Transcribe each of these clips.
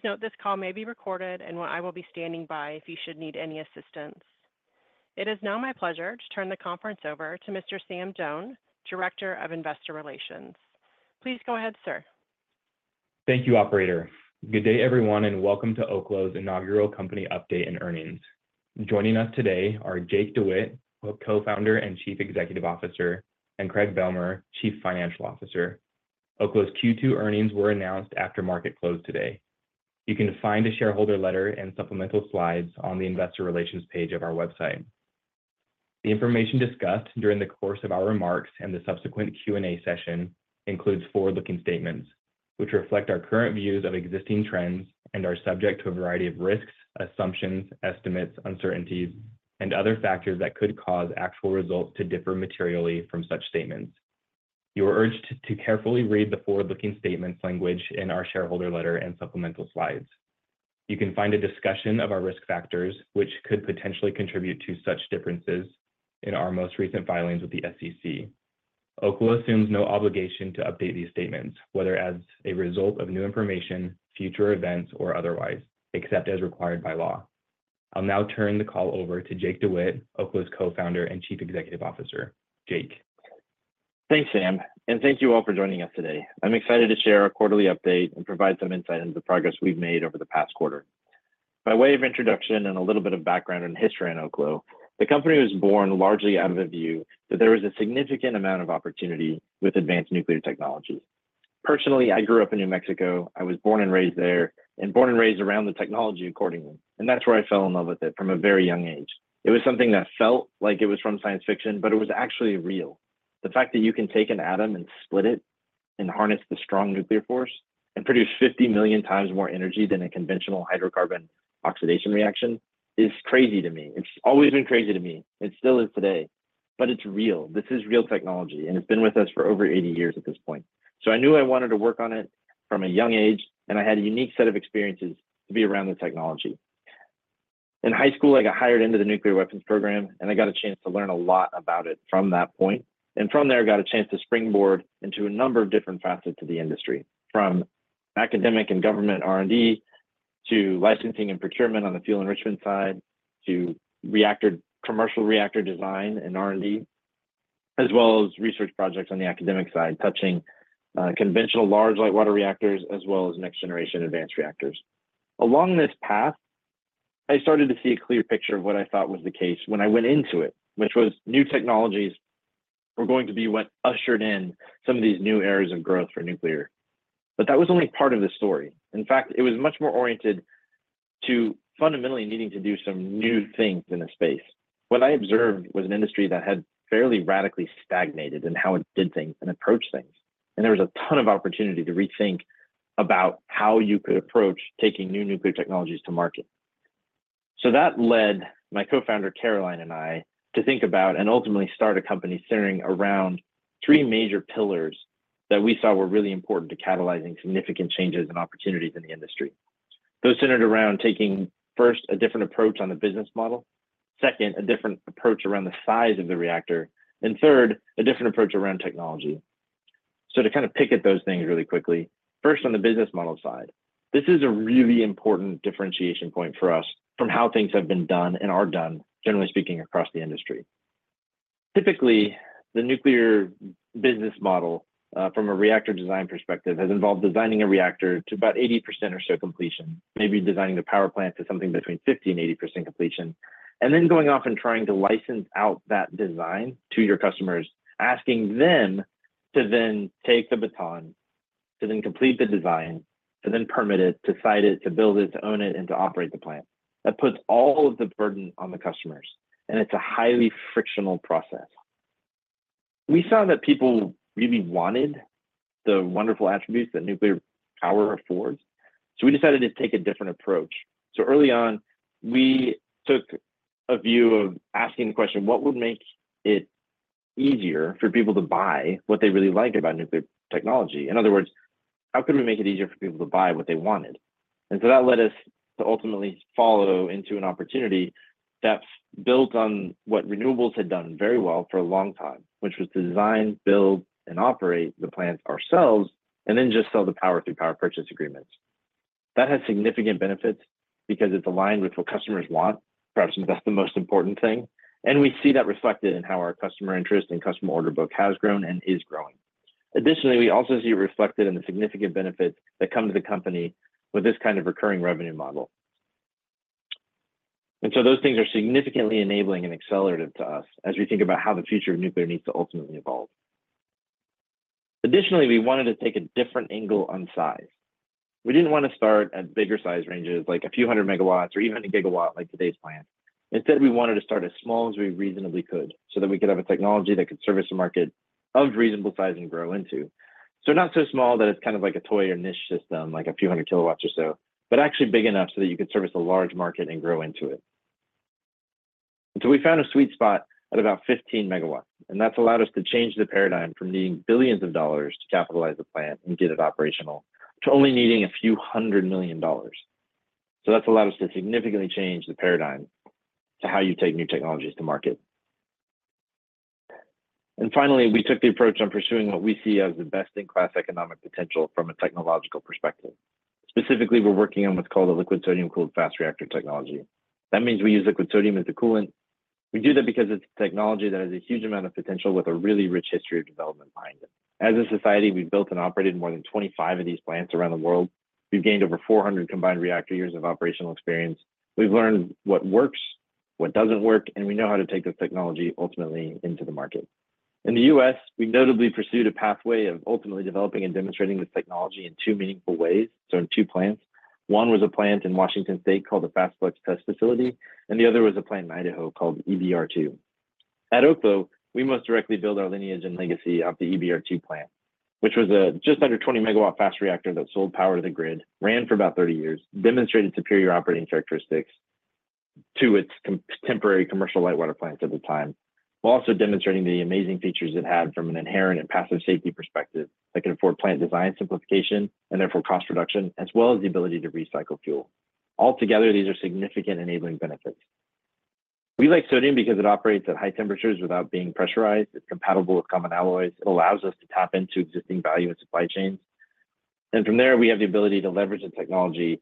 Please note this call may be recorded, and I will be standing by if you should need any assistance. It is now my pleasure to turn the conference over to Mr. Sam Doan, Director of Investor Relations. Please go ahead, sir. Thank you, operator. Good day, everyone, and welcome to Oklo's inaugural company update and earnings. Joining us today are Jake DeWitte, Co-founder and Chief Executive Officer, and Craig Bealmear, Chief Financial Officer. Oklo's Q2 earnings were announced after market close today. You can find a shareholder letter and supplemental slides on the investor relations page of our website. The information discussed during the course of our remarks and the subsequent Q&A session includes forward-looking statements, which reflect our current views of existing trends and are subject to a variety of risks, assumptions, estimates, uncertainties, and other factors that could cause actual results to differ materially from such statements. You are urged to carefully read the forward-looking statements language in our shareholder letter and supplemental slides. You can find a discussion of our risk factors, which could potentially contribute to such differences, in our most recent filings with the SEC. Oklo assumes no obligation to update these statements, whether as a result of new information, future events, or otherwise, except as required by law. I'll now turn the call over to Jake DeWitte, Oklo's Co-founder and Chief Executive Officer. Jake? Thanks, Sam, and thank you all for joining us today. I'm excited to share our quarterly update and provide some insight into the progress we've made over the past quarter. By way of introduction and a little bit of background and history on Oklo, the company was born largely out of a view that there was a significant amount of opportunity with advanced nuclear technologies. Personally, I grew up in New Mexico. I was born and raised there, and born and raised around the technology accordingly, and that's where I fell in love with it from a very young age. It was something that felt like it was from science fiction, but it was actually real. The fact that you can take an atom and split it, and harness the strong nuclear force, and produce 50 million times more energy than a conventional hydrocarbon oxidation reaction is crazy to me. It's always been crazy to me, and still is today, but it's real. This is real technology, and it's been with us for over 80 years at this point. So I knew I wanted to work on it from a young age, and I had a unique set of experiences to be around the technology. In high school, I got hired into the nuclear weapons program, and I got a chance to learn a lot about it from that point, and from there, got a chance to springboard into a number of different facets of the industry, from academic and government R&D, to licensing and procurement on the fuel enrichment side, to reactor-commercial reactor design and R&D, as well as research projects on the academic side, touching conventional large light water reactors, as well as next-generation advanced reactors. Along this path, I started to see a clear picture of what I thought was the case when I went into it, which was new technologies were going to be what ushered in some of these new areas of growth for nuclear. But that was only part of the story. In fact, it was much more oriented to fundamentally needing to do some new things in this space. What I observed was an industry that had fairly radically stagnated in how it did things and approached things, and there was a ton of opportunity to rethink about how you could approach taking new nuclear technologies to market. So that led my co-founder, Caroline, and I, to think about and ultimately start a company centering around three major pillars that we saw were really important to catalyzing significant changes and opportunities in the industry. Those centered around taking, first, a different approach on the business model, second, a different approach around the size of the reactor, and third, a different approach around technology. So to kind of pick at those things really quickly, first, on the business model side, this is a really important differentiation point for us from how things have been done and are done, generally speaking, across the industry. Typically, the nuclear business model, from a reactor design perspective, has involved designing a reactor to about 80% or so completion, maybe designing the power plant to something between 50% and 80% completion, and then going off and trying to license out that design to your customers, asking them to then take the baton, to then complete the design, to then permit it, to site it, to build it, to own it, and to operate the plant. That puts all of the burden on the customers, and it's a highly frictional process. We saw that people really wanted the wonderful attributes that nuclear power affords, so we decided to take a different approach. So early on, we took a view of asking the question: What would make it easier for people to buy what they really like about nuclear technology? In other words, how could we make it easier for people to buy what they wanted? And so that led us to ultimately follow into an opportunity that's built on what renewables had done very well for a long time, which was to design, build, and operate the plant ourselves, and then just sell the power through power purchase agreements. That has significant benefits because it's aligned with what customers want. Perhaps that's the most important thing, and we see that reflected in how our customer interest and customer order book has grown and is growing. Additionally, we also see it reflected in the significant benefits that come to the company with this kind of recurring revenue model. And so those things are significantly enabling and accelerative to us as we think about how the future of nuclear needs to ultimately evolve. Additionally, we wanted to take a different angle on size. We didn't want to start at bigger size ranges, like a few hundred MWs or even a gigawatt, like today's plants. Instead, we wanted to start as small as we reasonably could, so that we could have a technology that could service a market of reasonable size and grow into. So not so small that it's kind of like a toy or niche system, like a few hundred kilowatts or so, but actually big enough so that you could service a large market and grow into it. And so we found a sweet spot at about 15 MW, and that's allowed us to change the paradigm from needing billions of dollars to capitalize the plant and get it operational, to only needing a few $100 million. So that's allowed us to significantly change the paradigm to how you take new technologies to market... And finally, we took the approach on pursuing what we see as the best-in-class economic potential from a technological perspective. Specifically, we're working on what's called a liquid sodium-cooled fast reactor technology. That means we use liquid sodium as the coolant. We do that because it's a technology that has a huge amount of potential with a really rich history of development behind it. As a society, we've built and operated more than 25 of these plants around the world. We've gained over 400 combined reactor years of operational experience. We've learned what works, what doesn't work, and we know how to take this technology ultimately into the market. In the U.S., we notably pursued a pathway of ultimately developing and demonstrating this technology in two meaningful ways, so in two plants. One was a plant in Washington State called the Fast Flux Test Facility, and the other was a plant in Idaho called EBR-II. At Oklo, we most directly build our lineage and legacy off the EBR-II plant, which was a just under 20-MW fast reactor that sold power to the grid, ran for about 30 years, demonstrated superior operating characteristics to its contemporary commercial light water plants at the time, while also demonstrating the amazing features it had from an inherent and passive safety perspective that can afford plant design simplification and therefore cost reduction, as well as the ability to recycle fuel. Altogether, these are significant enabling benefits. We like sodium because it operates at high temperatures without being pressurized. It's compatible with common alloys. It allows us to tap into existing value and supply chains, and from there, we have the ability to leverage the technology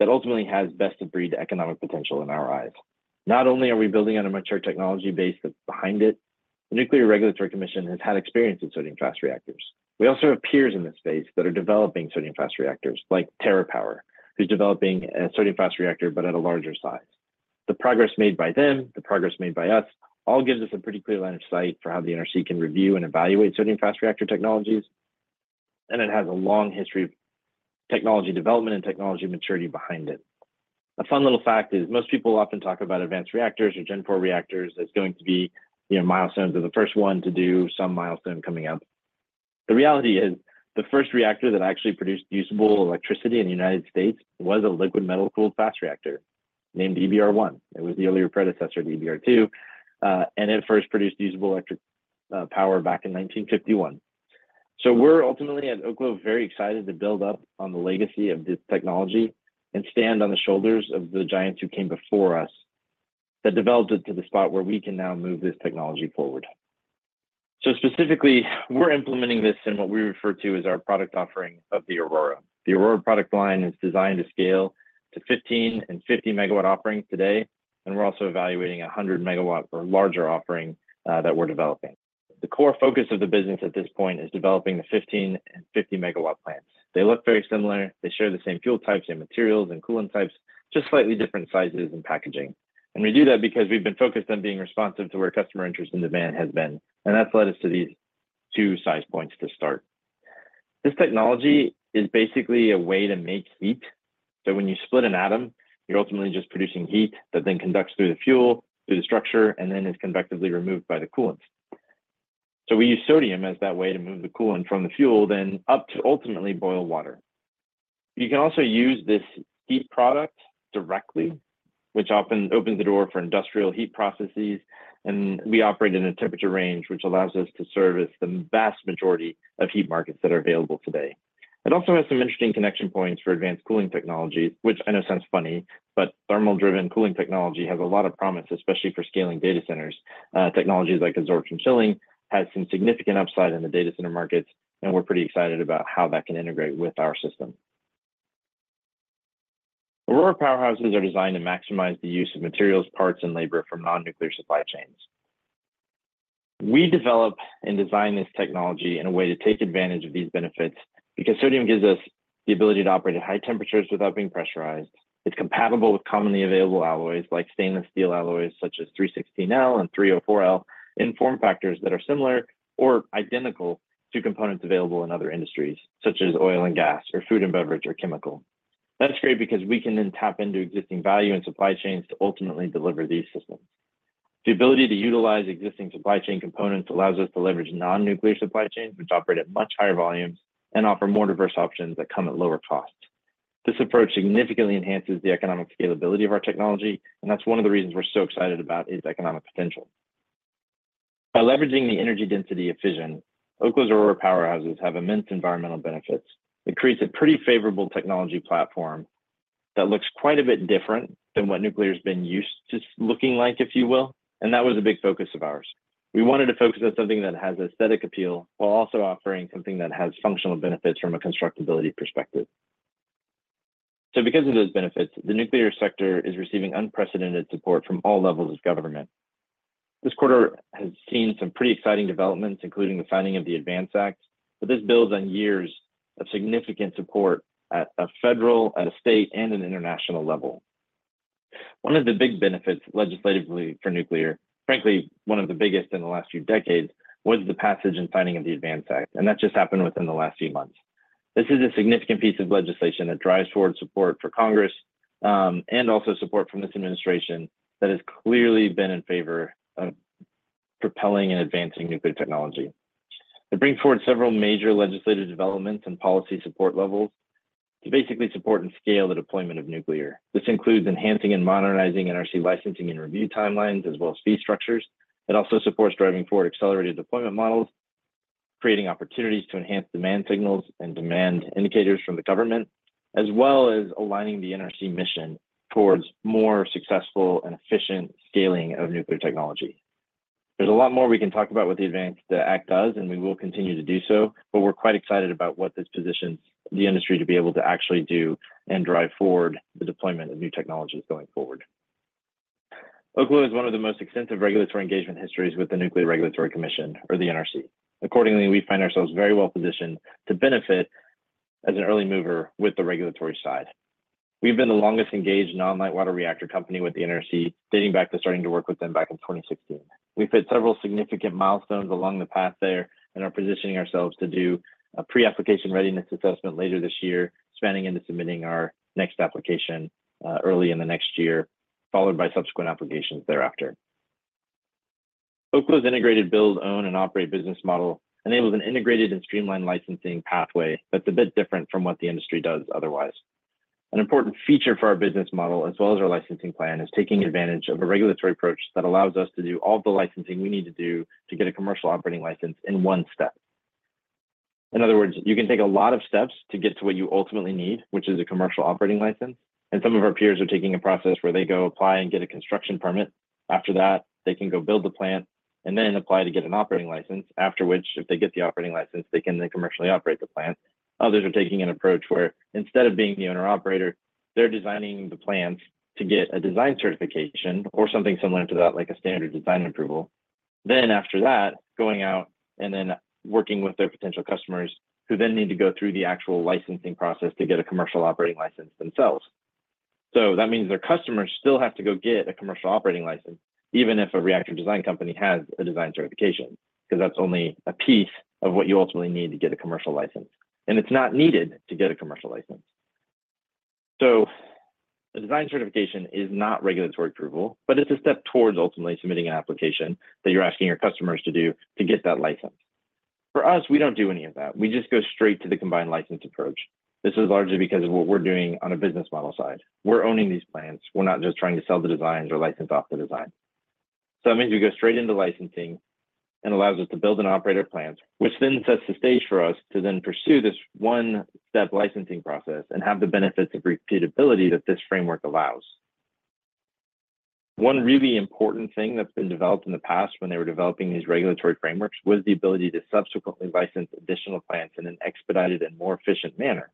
that ultimately has best-of-breed economic potential in our eyes. Not only are we building on a mature technology base that's behind it, the Nuclear Regulatory Commission has had experience in sodium fast reactors. We also have peers in this space that are developing sodium fast reactors, like TerraPower, who's developing a sodium fast reactor, but at a larger size. The progress made by them, the progress made by us, all gives us a pretty clear line of sight for how the NRC can review and evaluate sodium fast reactor technologies, and it has a long history of technology development and technology maturity behind it. A fun little fact is most people often talk about advanced reactors or Gen IV reactors as going to be, you know, milestones, or the first one to do some milestone coming up. The reality is, the first reactor that actually produced usable electricity in the United States was a liquid metal-cooled fast reactor named EBR-I. It was the earlier predecessor to EBR-II, and it first produced usable electric power back in 1951. So we're ultimately, at Oklo, very excited to build up on the legacy of this technology and stand on the shoulders of the giants who came before us, that developed it to the spot where we can now move this technology forward. So specifically, we're implementing this in what we refer to as our product offering of the Aurora. The Aurora product line is designed to scale to 15-MW and 50-MW offerings today, and we're also evaluating a 100-MW or larger offering that we're developing. The core focus of the business at this point is developing the 15-MW and 50-MW plants. They look very similar. They share the same fuel types, same materials, and coolant types, just slightly different sizes and packaging. We do that because we've been focused on being responsive to where customer interest and demand has been, and that's led us to these two size points to start. This technology is basically a way to make heat. When you split an atom, you're ultimately just producing heat that then conducts through the fuel, through the structure, and then is convectively removed by the coolant. We use sodium as that way to move the coolant from the fuel, then up to ultimately boil water. You can also use this heat product directly, which often opens the door for industrial heat processes, and we operate in a temperature range which allows us to service the vast majority of heat markets that are available today. It also has some interesting connection points for advanced cooling technology, which I know sounds funny, but thermal-driven cooling technology has a lot of promise, especially for scaling data centers. Technologies like absorption chilling has some significant upside in the data center markets, and we're pretty excited about how that can integrate with our system. Aurora powerhouses are designed to maximize the use of materials, parts, and labor from non-nuclear supply chains. We develop and design this technology in a way to take advantage of these benefits because sodium gives us the ability to operate at high temperatures without being pressurized. It's compatible with commonly available alloys, like stainless steel alloys, such as 316L and 304L, in form factors that are similar or identical to components available in other industries, such as oil and gas, or food and beverage, or chemical. That's great because we can then tap into existing value and supply chains to ultimately deliver these systems. The ability to utilize existing supply chain components allows us to leverage non-nuclear supply chains, which operate at much higher volumes and offer more diverse options that come at lower costs. This approach significantly enhances the economic scalability of our technology, and that's one of the reasons we're so excited about its economic potential. By leveraging the energy density of fission, Oklo's Aurora powerhouses have immense environmental benefits. It creates a pretty favorable technology platform that looks quite a bit different than what nuclear's been used to looking like, if you will, and that was a big focus of ours. We wanted to focus on something that has aesthetic appeal, while also offering something that has functional benefits from a constructability perspective. Because of those benefits, the nuclear sector is receiving unprecedented support from all levels of government. This quarter has seen some pretty exciting developments, including the signing of the ADVANCE Act, but this builds on years of significant support at a federal, at a state, and an international level. One of the big benefits legislatively for nuclear, frankly, one of the biggest in the last few decades, was the passage and signing of the ADVANCE Act, and that just happened within the last few months. This is a significant piece of legislation that drives toward support for Congress, and also support from this administration that has clearly been in favor of propelling and advancing nuclear technology. It brings forward several major legislative developments and policy support levels to basically support and scale the deployment of nuclear. This includes enhancing and modernizing NRC licensing and review timelines, as well as fee structures. It also supports driving forward accelerated deployment models, creating opportunities to enhance demand signals and demand indicators from the government, as well as aligning the NRC mission towards more successful and efficient scaling of nuclear technology. There's a lot more we can talk about what the ADVANCE Act does, and we will continue to do so, but we're quite excited about what this positions the industry to be able to actually do and drive forward the deployment of new technologies going forward. Oklo has one of the most extensive regulatory engagement histories with the Nuclear Regulatory Commission or the NRC. Accordingly, we find ourselves very well positioned to benefit as an early mover with the regulatory side. We've been the longest engaged non-light water reactor company with the NRC, dating back to starting to work with them back in 2016. We've hit several significant milestones along the path there and are positioning ourselves to do a pre-application readiness assessment later this year, spanning into submitting our next application, early in the next year, followed by subsequent applications thereafter. Oklo's integrated build, own, and operate business model enables an integrated and streamlined licensing pathway that's a bit different from what the industry does otherwise. An important feature for our business model, as well as our licensing plan, is taking advantage of a regulatory approach that allows us to do all the licensing we need to do to get a commercial operating license in one step. In other words, you can take a lot of steps to get to what you ultimately need, which is a commercial operating license, and some of our peers are taking a process where they go apply and get a construction permit. After that, they can go build the plant and then apply to get an operating license. After which, if they get the operating license, they can then commercially operate the plant. Others are taking an approach where instead of being the owner-operator, they're designing the plans to get a Design Certification or something similar to that, like a standard design approval. Then after that, going out and then working with their potential customers, who then need to go through the actual licensing process to get a commercial operating license themselves. So that means their customers still have to go get a commercial operating license, even if a reactor design company has a Design Certification, 'cause that's only a piece of what you ultimately need to get a commercial license, and it's not needed to get a commercial license. So a Design Certification is not regulatory approval, but it's a step towards ultimately submitting an application that you're asking your customers to do to get that license. For us, we don't do any of that. We just go straight to the Combined License approach. This is largely because of what we're doing on a business model side. We're owning these plants. We're not just trying to sell the designs or license off the design. So that means we go straight into licensing and allows us to build and operate our plants, which then sets the stage for us to then pursue this one-step licensing process and have the benefits of repeatability that this framework allows. One really important thing that's been developed in the past when they were developing these regulatory frameworks, was the ability to subsequently license additional plants in an expedited and more efficient manner.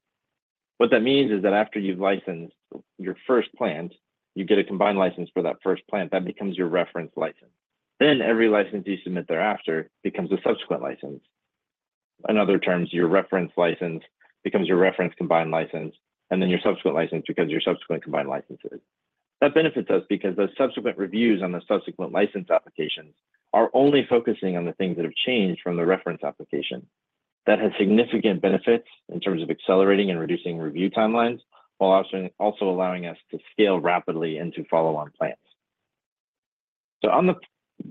What that means is that after you've licensed your first plant, you get a Combined License for that first plant, that becomes your reference license. Then every license you submit thereafter becomes a subsequent license. In other terms, your reference license becomes your reference Combined License, and then your subsequent license becomes your subsequent Combined Licenses. That benefits us because those subsequent reviews on the subsequent license applications are only focusing on the things that have changed from the reference application. That has significant benefits in terms of accelerating and reducing review timelines, while also, also allowing us to scale rapidly into follow-on plans. So on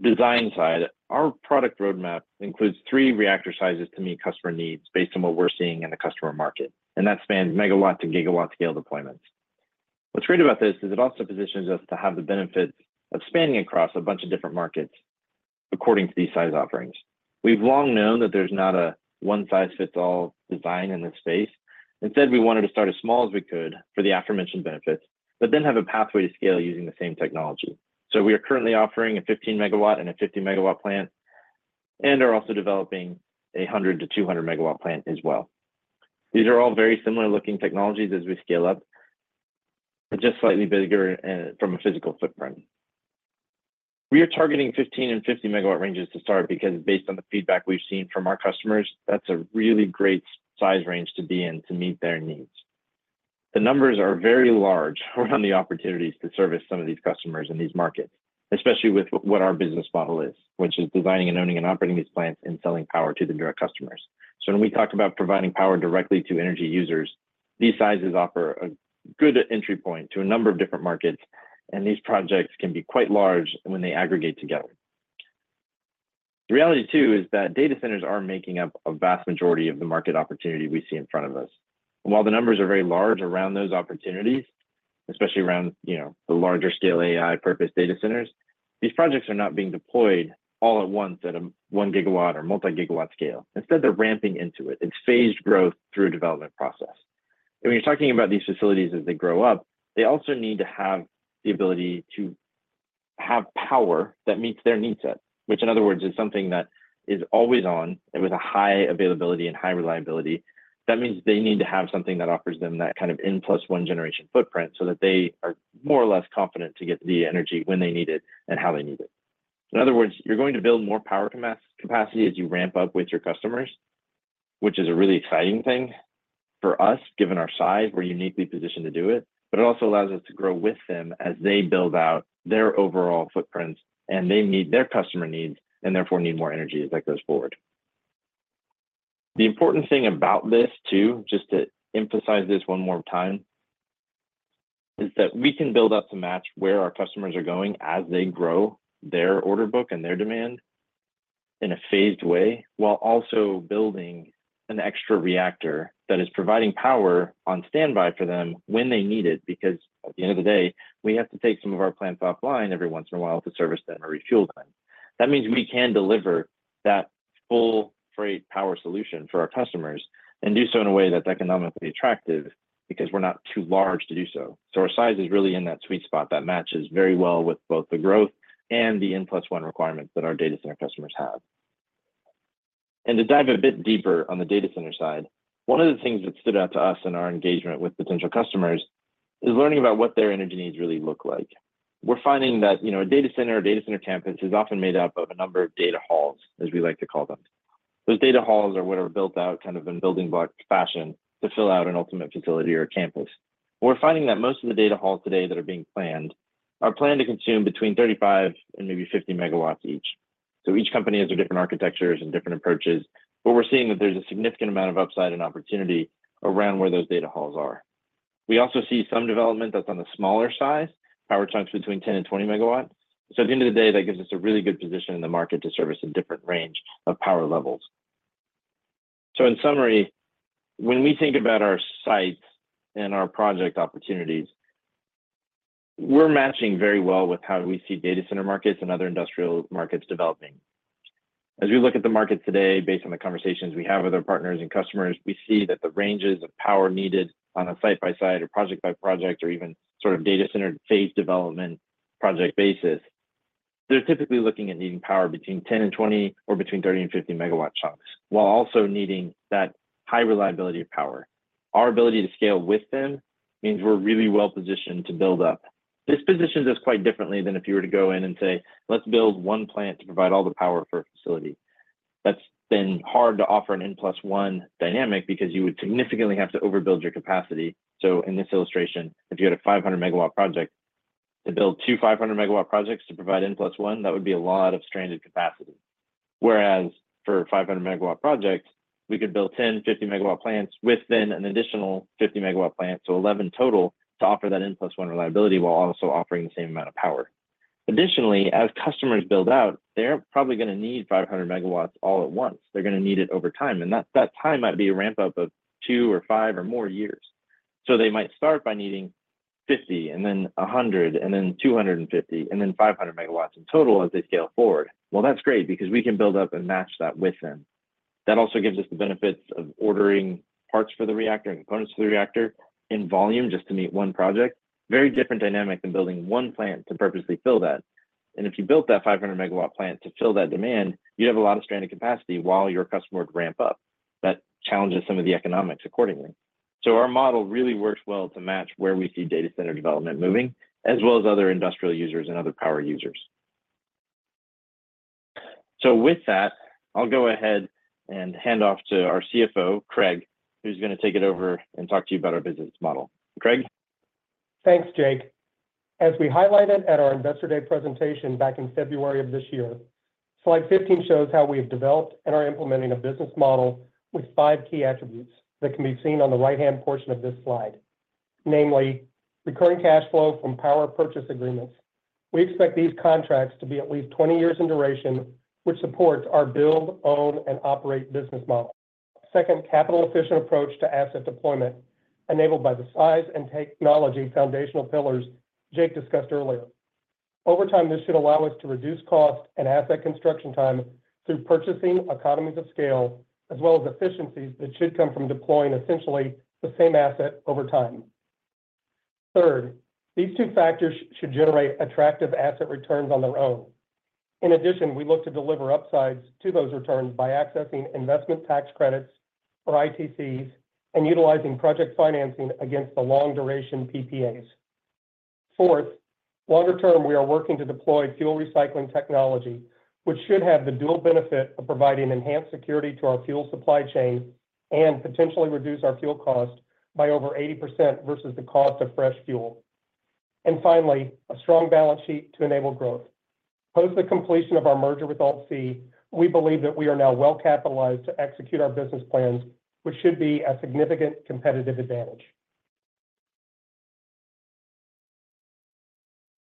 the design side, our product roadmap includes three reactor sizes to meet customer needs based on what we're seeing in the customer market, and that spans MW to GW scale deployments. What's great about this is it also positions us to have the benefit of spanning across a bunch of different markets according to these size offerings. We've long known that there's not a one-size-fits-all design in this space. Instead, we wanted to start as small as we could for the aforementioned benefits, but then have a pathway to scale using the same technology. So we are currently offering a 15-MW and a 50-MW plant, and are also developing a 100 MW-200 MW plant as well. These are all very similar-looking technologies as we scale up, but just slightly bigger from a physical footprint. We are targeting 15-MW and 50-MW ranges to start because based on the feedback we've seen from our customers, that's a really great size range to be in to meet their needs. The numbers are very large around the opportunities to service some of these customers in these markets, especially with what our business model is, which is designing and owning and operating these plants and selling power to the direct customers. So when we talk about providing power directly to energy users, these sizes offer a good entry point to a number of different markets, and these projects can be quite large when they aggregate together. The reality, too, is that data centers are making up a vast majority of the market opportunity we see in front of us. While the numbers are very large around those opportunities, especially around, you know, the larger scale AI purpose data centers, these projects are not being deployed all at once at a 1 GW or multi-GW scale. Instead, they're ramping into it. It's phased growth through a development process. When you're talking about these facilities as they grow up, they also need to have the ability to have power that meets their needs set, which, in other words, is something that is always on and with a high availability and high reliability. That means they need to have something that offers them that kind of N plus one generation footprint, so that they are more or less confident to get the energy when they need it and how they need it. In other words, you're going to build more power capacity as you ramp up with your customers, which is a really exciting thing for us, given our size. We're uniquely positioned to do it, but it also allows us to grow with them as they build out their overall footprints, and they meet their customer needs and therefore need more energy as that goes forward. The important thing about this, too, just to emphasize this one more time, is that we can build up to match where our customers are going as they grow their order book and their demand in a phased way, while also building an extra reactor that is providing power on standby for them when they need it, because at the end of the day, we have to take some of our plants offline every once in a while to service them or refuel them. That means we can deliver that full freight power solution for our customers and do so in a way that's economically attractive because we're not too large to do so. So our size is really in that sweet spot that matches very well with both the growth and the N+1 requirement that our data center customers have. And to dive a bit deeper on the data center side, one of the things that stood out to us in our engagement with potential customers is learning about what their energy needs really look like. We're finding that, you know, a data center or data center campus is often made up of a number of data halls, as we like to call them. Those data halls are what are built out, kind of in building block fashion, to fill out an ultimate facility or campus. We're finding that most of the data halls today that are being planned, are planned to consume between 35 MW and maybe 50 MW each. So each company has their different architectures and different approaches, but we're seeing that there's a significant amount of upside and opportunity around where those data halls are. We also see some development that's on the smaller side, power chunks between 10 MW and 20 MW. So at the end of the day, that gives us a really good position in the market to service a different range of power levels. So in summary, when we think about our sites and our project opportunities, we're matching very well with how we see data center markets and other industrial markets developing. As we look at the market today, based on the conversations we have with our partners and customers, we see that the ranges of power needed on a site-by-site or project-by-project or even sort of data center phase development project basis, they're typically looking at needing power between 10 MW and 20 MW or between 30 MW and 50 MW chunks, while also needing that high reliability of power. Our ability to scale with them means we're really well positioned to build up. This positions us quite differently than if you were to go in and say, "Let's build one plant to provide all the power for a facility." That's been hard to offer an N+1 dynamic because you would significantly have to overbuild your capacity. So in this illustration, if you had a 500 MW project, to build two 500 MW projects to provide N+1, that would be a lot of stranded capacity. Whereas for a 500-MW project, we could build 10, 50-MW plants with then an additional 50-MW plant, so 11 total, to offer that N+1 reliability while also offering the same amount of power. Additionally, as customers build out, they're probably gonna need 500-MW all at once. They're gonna need it over time, and that, that time might be a ramp-up of 2 or 5 or more years. So they might start by needing 50 MW, and then 100 MW, and then 250MW, and then 500 MWs in total as they scale forward. Well, that's great, because we can build up and match that with them. That also gives us the benefits of ordering parts for the reactor and components for the reactor in volume, just to meet one project. Very different dynamic than building one plant to purposely fill that. And if you built that 500 MW plant to fill that demand, you'd have a lot of stranded capacity while your customer would ramp up. That challenges some of the economics accordingly. So our model really works well to match where we see data center development moving, as well as other industrial users and other power users. With that, I'll go ahead and hand off to our CFO, Craig, who's gonna take it over and talk to you about our business model. Craig? Thanks, Jake. As we highlighted at our Investor Day presentation back in February of this year, slide 15 shows how we have developed and are implementing a business model with five key attributes that can be seen on the right-hand portion of this slide. Namely, recurring cash flow from power purchase agreements. We expect these contracts to be at least 20 years in duration, which supports our build, own, and operate business model. Second, capital-efficient approach to asset deployment, enabled by the size and technology foundational pillars Jake discussed earlier. Over time, this should allow us to reduce cost and asset construction time through purchasing economies of scale, as well as efficiencies that should come from deploying essentially the same asset over time. Third, these two factors should generate attractive asset returns on their own. In addition, we look to deliver upsides to those returns by accessing investment tax credits, or ITCs, and utilizing project financing against the long-duration PPAs. Fourth, longer term, we are working to deploy fuel recycling technology, which should have the dual benefit of providing enhanced security to our fuel supply chain and potentially reduce our fuel cost by over 80% versus the cost of fresh fuel. And finally, a strong balance sheet to enable growth. Post the completion of our merger with AltC, we believe that we are now well-capitalized to execute our business plans, which should be a significant competitive advantage.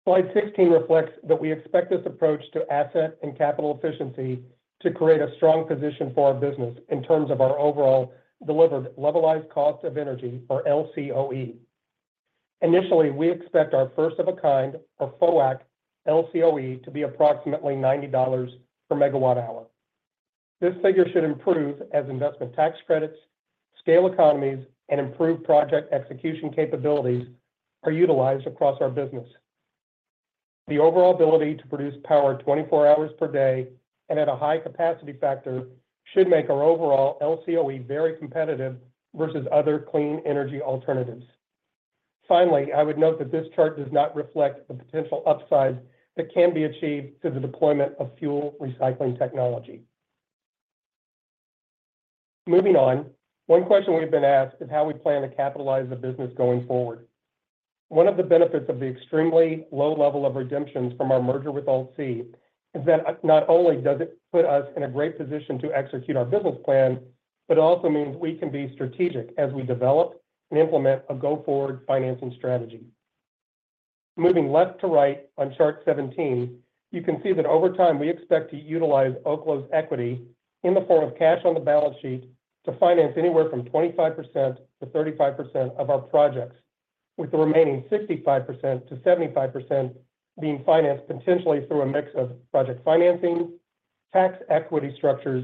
Slide 16 reflects that we expect this approach to asset and capital efficiency to create a strong position for our business in terms of our overall delivered levelized cost of energy, or LCOE. Initially, we expect our first of a kind, or FOAK, LCOE to be approximately $90 per MW hour. This figure should improve as investment tax credits, scale economies, and improved project execution capabilities are utilized across our business. The overall ability to produce power 24 hours per day and at a high capacity factor should make our overall LCOE very competitive versus other clean energy alternatives. Finally, I would note that this chart does not reflect the potential upside that can be achieved through the deployment of fuel recycling technology. Moving on, one question we've been asked is how we plan to capitalize the business going forward. One of the benefits of the extremely low level of redemptions from our merger with AltC is that not only does it put us in a great position to execute our business plan, but it also means we can be strategic as we develop and implement a go-forward financing strategy. Moving left to right on chart 17, you can see that over time, we expect to utilize Oklo's equity in the form of cash on the balance sheet to finance anywhere from 25%-35% of our projects, with the remaining 65%-75% being financed potentially through a mix of project financing, tax equity structures,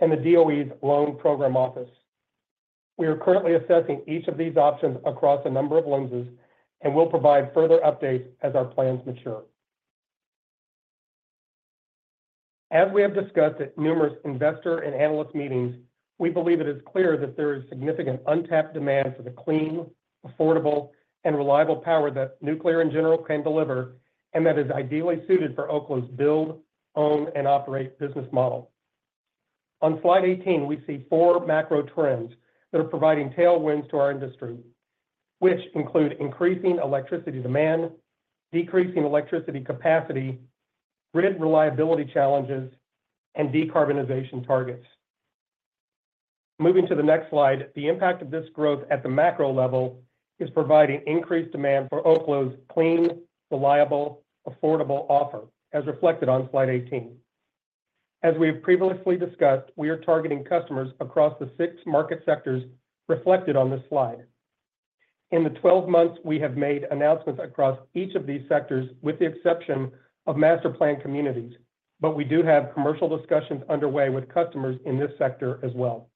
and the DOE's Loan Programs Office. We are currently assessing each of these options across a number of lenses, and we'll provide further updates as our plans mature. As we have discussed at numerous investor and analyst meetings, we believe it is clear that there is significant untapped demand for the clean, affordable, and reliable power that nuclear in general can deliver, and that is ideally suited for Oklo's build, own, and operate business model. On slide 18, we see four macro trends that are providing tailwinds to our industry, which include increasing electricity demand, decreasing electricity capacity, grid reliability challenges, and decarbonization targets. Moving to the next slide, the impact of this growth at the macro level is providing increased demand for Oklo's clean, reliable, affordable offer, as reflected on slide 18. As we have previously discussed, we are targeting customers across the six market sectors reflected on this slide. In the 12 months, we have made announcements across each of these sectors, with the exception of master-planned communities, but we do have commercial discussions underway with customers in this sector as well.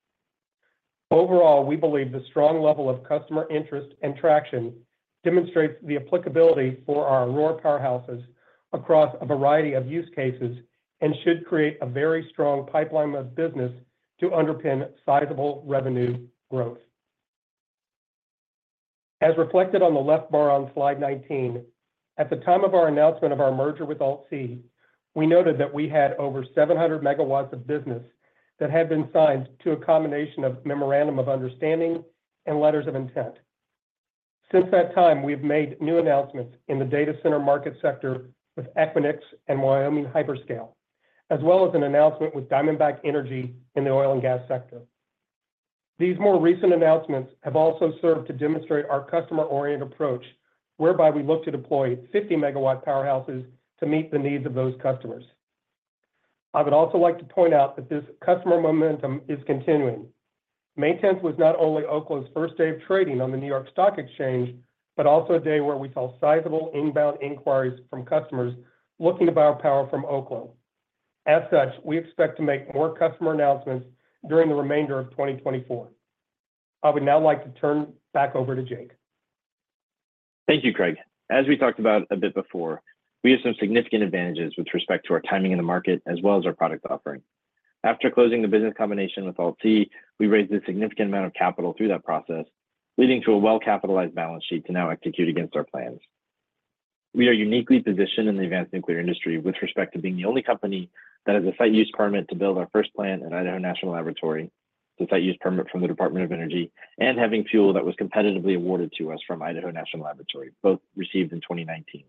Overall, we believe the strong level of customer interest and traction demonstrates the applicability for our Aurora Powerhouses across a variety of use cases and should create a very strong pipeline of business to underpin sizable revenue growth. As reflected on the left bar on slide 19, at the time of our announcement of our merger with AltC, we noted that we had over 700 MWs of business that had been signed to a combination of memorandum of understanding and letters of intent. Since that time, we've made new announcements in the data center market sector with Equinix and Wyoming Hyperscale, as well as an announcement with Diamondback Energy in the oil and gas sector. These more recent announcements have also served to demonstrate our customer-oriented approach, whereby we look to deploy 50-MW powerhouses to meet the needs of those customers. I would also like to point out that this customer momentum is continuing. May 10th was not only Oklo's first day of trading on the New York Stock Exchange, but also a day where we saw sizable inbound inquiries from customers looking to buy our power from Oklo. As such, we expect to make more customer announcements during the remainder of 2024. I would now like to turn back over to Jake. Thank you, Craig. As we talked about a bit before, we have some significant advantages with respect to our timing in the market as well as our product offering. After closing the business combination with AltC, we raised a significant amount of capital through that process, leading to a well-capitalized balance sheet to now execute against our plans. We are uniquely positioned in the advanced nuclear industry with respect to being the only company that has a site use permit to build our first plant at Idaho National Laboratory, the site use permit from the Department of Energy, and having fuel that was competitively awarded to us from Idaho National Laboratory, both received in 2019.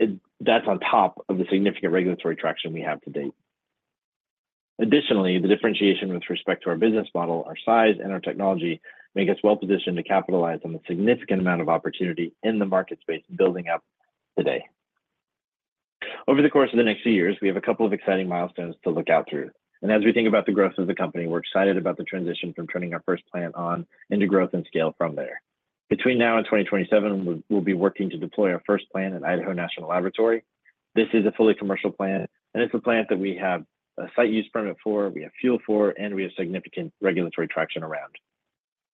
And that's on top of the significant regulatory traction we have to date. Additionally, the differentiation with respect to our business model, our size, and our technology make us well-positioned to capitalize on the significant amount of opportunity in the market space building up today. Over the course of the next few years, we have a couple of exciting milestones to look out through. And as we think about the growth of the company, we're excited about the transition from turning our first plant on into growth and scale from there. Between now and 2027, we'll be working to deploy our first plant at Idaho National Laboratory. This is a fully commercial plant, and it's a plant that we have a Site Use Permit for, we have fuel for, and we have significant regulatory traction around.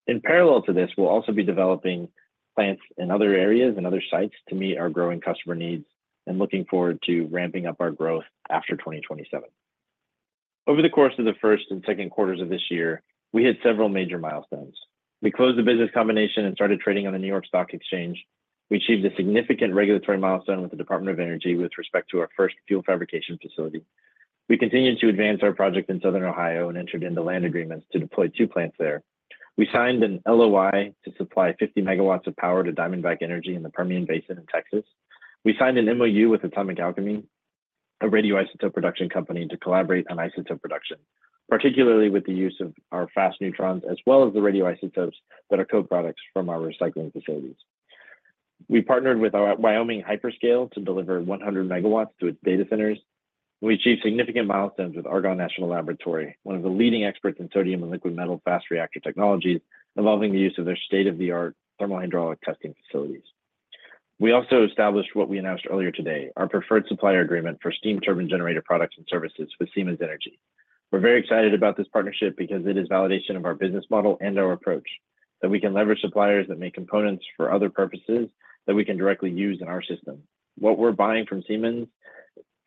In parallel to this, we'll also be developing plants in other areas and other sites to meet our growing customer needs and looking forward to ramping up our growth after 2027. Over the course of the first and second quarters of this year, we hit several major milestones. We closed the business combination and started trading on the New York Stock Exchange. We achieved a significant regulatory milestone with the Department of Energy with respect to our first fuel fabrication facility. We continued to advance our project in Southern Ohio and entered into land agreements to deploy two plants there. We signed an LOI to supply 50 MW of power to Diamondback Energy in the Permian Basin in Texas. We signed an MOU with Atomic Alchemy, a radioisotope production company, to collaborate on isotope production, particularly with the use of our fast neutrons, as well as the radioisotopes that are co-products from our recycling facilities. We partnered with our Wyoming Hyperscale to deliver 100 MW to its data centers. We achieved significant milestones with Argonne National Laboratory, one of the leading experts in sodium and liquid metal fast reactor technologies, involving the use of their state-of-the-art thermal hydraulic testing facilities. We also established what we announced earlier today, our preferred supplier agreement for steam turbine generator products and services with Siemens Energy. We're very excited about this partnership because it is validation of our business model and our approach, that we can leverage suppliers that make components for other purposes that we can directly use in our system. What we're buying from Siemens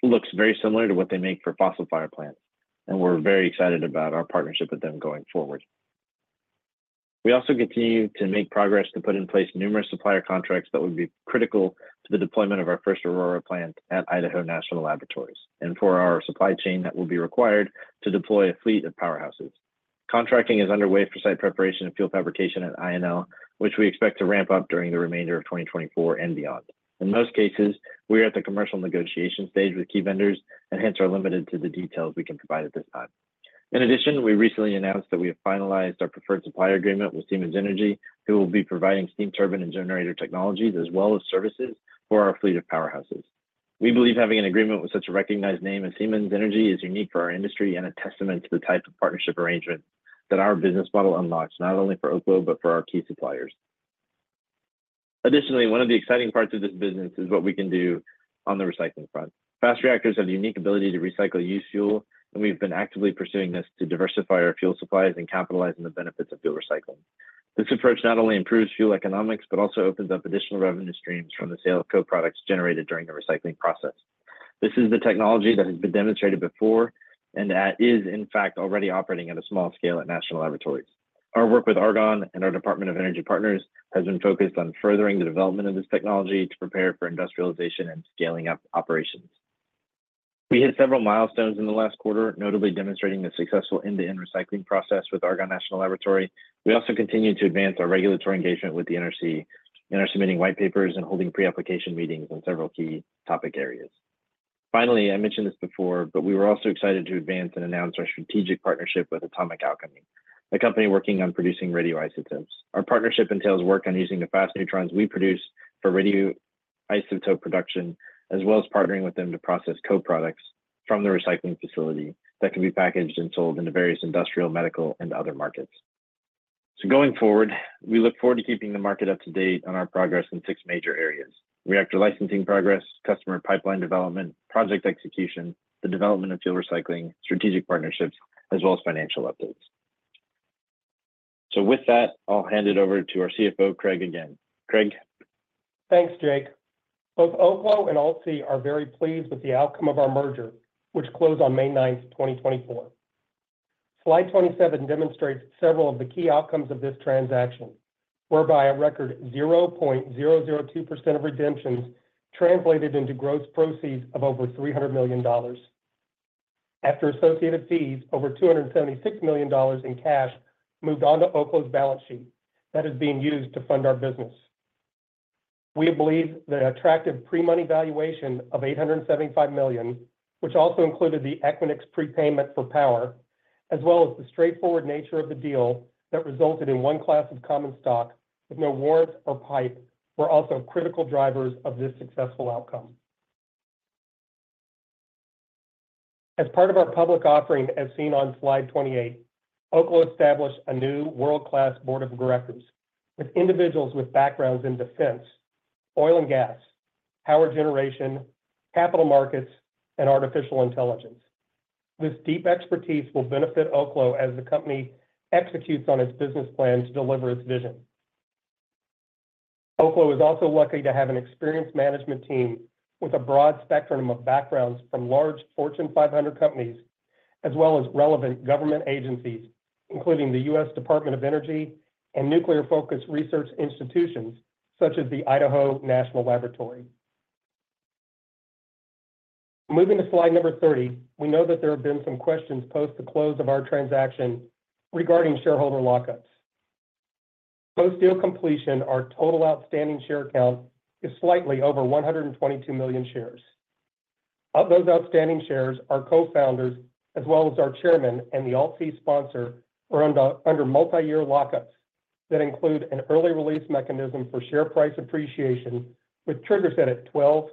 looks very similar to what they make for fossil-fired plants, and we're very excited about our partnership with them going forward. We also continue to make progress to put in place numerous supplier contracts that would be critical to the deployment of our first Aurora plant at Idaho National Laboratory and for our supply chain that will be required to deploy a fleet of powerhouses. Contracting is underway for site preparation and fuel fabrication at INL, which we expect to ramp up during the remainder of 2024 and beyond. In most cases, we are at the commercial negotiation stage with key vendors and hence are limited to the details we can provide at this time... In addition, we recently announced that we have finalized our preferred supplier agreement with Siemens Energy, who will be providing steam turbine and generator technologies, as well as services for our fleet of powerhouses. We believe having an agreement with such a recognized name as Siemens Energy is unique for our industry and a testament to the type of partnership arrangement that our business model unlocks, not only for Oklo, but for our key suppliers. Additionally, one of the exciting parts of this business is what we can do on the recycling front. Fast reactors have the unique ability to recycle used fuel, and we've been actively pursuing this to diversify our fuel supplies and capitalize on the benefits of fuel recycling. This approach not only improves fuel economics, but also opens up additional revenue streams from the sale of co-products generated during the recycling process. This is the technology that has been demonstrated before, and that is, in fact, already operating at a small scale at national laboratories. Our work with Argonne and our Department of Energy partners has been focused on furthering the development of this technology to prepare for industrialization and scaling up operations. We hit several milestones in the last quarter, notably demonstrating the successful end-to-end recycling process with Argonne National Laboratory. We also continued to advance our regulatory engagement with the NRC in our submitting white papers and holding pre-application meetings on several key topic areas. Finally, I mentioned this before, but we were also excited to advance and announce our strategic partnership with Atomic Alchemy, a company working on producing radioisotopes. Our partnership entails work on using the fast neutrons we produce for radioisotope production, as well as partnering with them to process co-products from the recycling facility that can be packaged and sold into various industrial, medical, and other markets. So going forward, we look forward to keeping the market up to date on our progress in six major areas: reactor licensing progress, customer pipeline development, project execution, the development of fuel recycling, strategic partnerships, as well as financial updates. So with that, I'll hand it over to our CFO, Craig, again. Craig? Thanks, Jake. Both Oklo and AltC are very pleased with the outcome of our merger, which closed on May 9th, 2024. Slide 27 demonstrates several of the key outcomes of this transaction, whereby a record 0.002% of redemptions translated into gross proceeds of over $300 million. After associated fees, over $276 million in cash moved on to Oklo's balance sheet. That is being used to fund our business. We believe the attractive pre-money valuation of $875 million, which also included the Equinix prepayment for power, as well as the straightforward nature of the deal that resulted in one class of common stock with no warrants or PIPE, were also critical drivers of this successful outcome. As part of our public offering, as seen on Slide 28, Oklo established a new world-class board of directors with individuals with backgrounds in defense, oil and gas, power generation, capital markets, and artificial intelligence. This deep expertise will benefit Oklo as the company executes on its business plan to deliver its vision. Oklo is also lucky to have an experienced management team with a broad spectrum of backgrounds from large Fortune 500 companies, as well as relevant government agencies, including the U.S. Department of Energy and nuclear-focused research institutions such as the Idaho National Laboratory. Moving to slide number 30, we know that there have been some questions post the close of our transaction regarding shareholder lockups. Post-deal completion, our total outstanding share count is slightly over 122 million shares. Of those outstanding shares, our co-founders, as well as our chairman and the AltC sponsor, are under multi-year lockups that include an early release mechanism for share price appreciation, with triggers set at $12,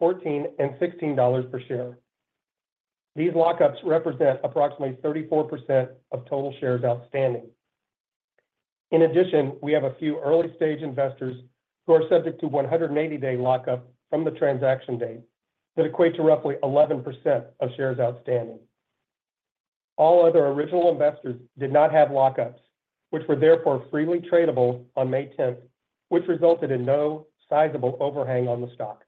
$14, and $16 per share. These lockups represent approximately 34% of total shares outstanding. In addition, we have a few early-stage investors who are subject to 180-day lockup from the transaction date, that equate to roughly 11% of shares outstanding. All other original investors did not have lockups, which were therefore freely tradable on May 10, which resulted in no sizable overhang on the stock.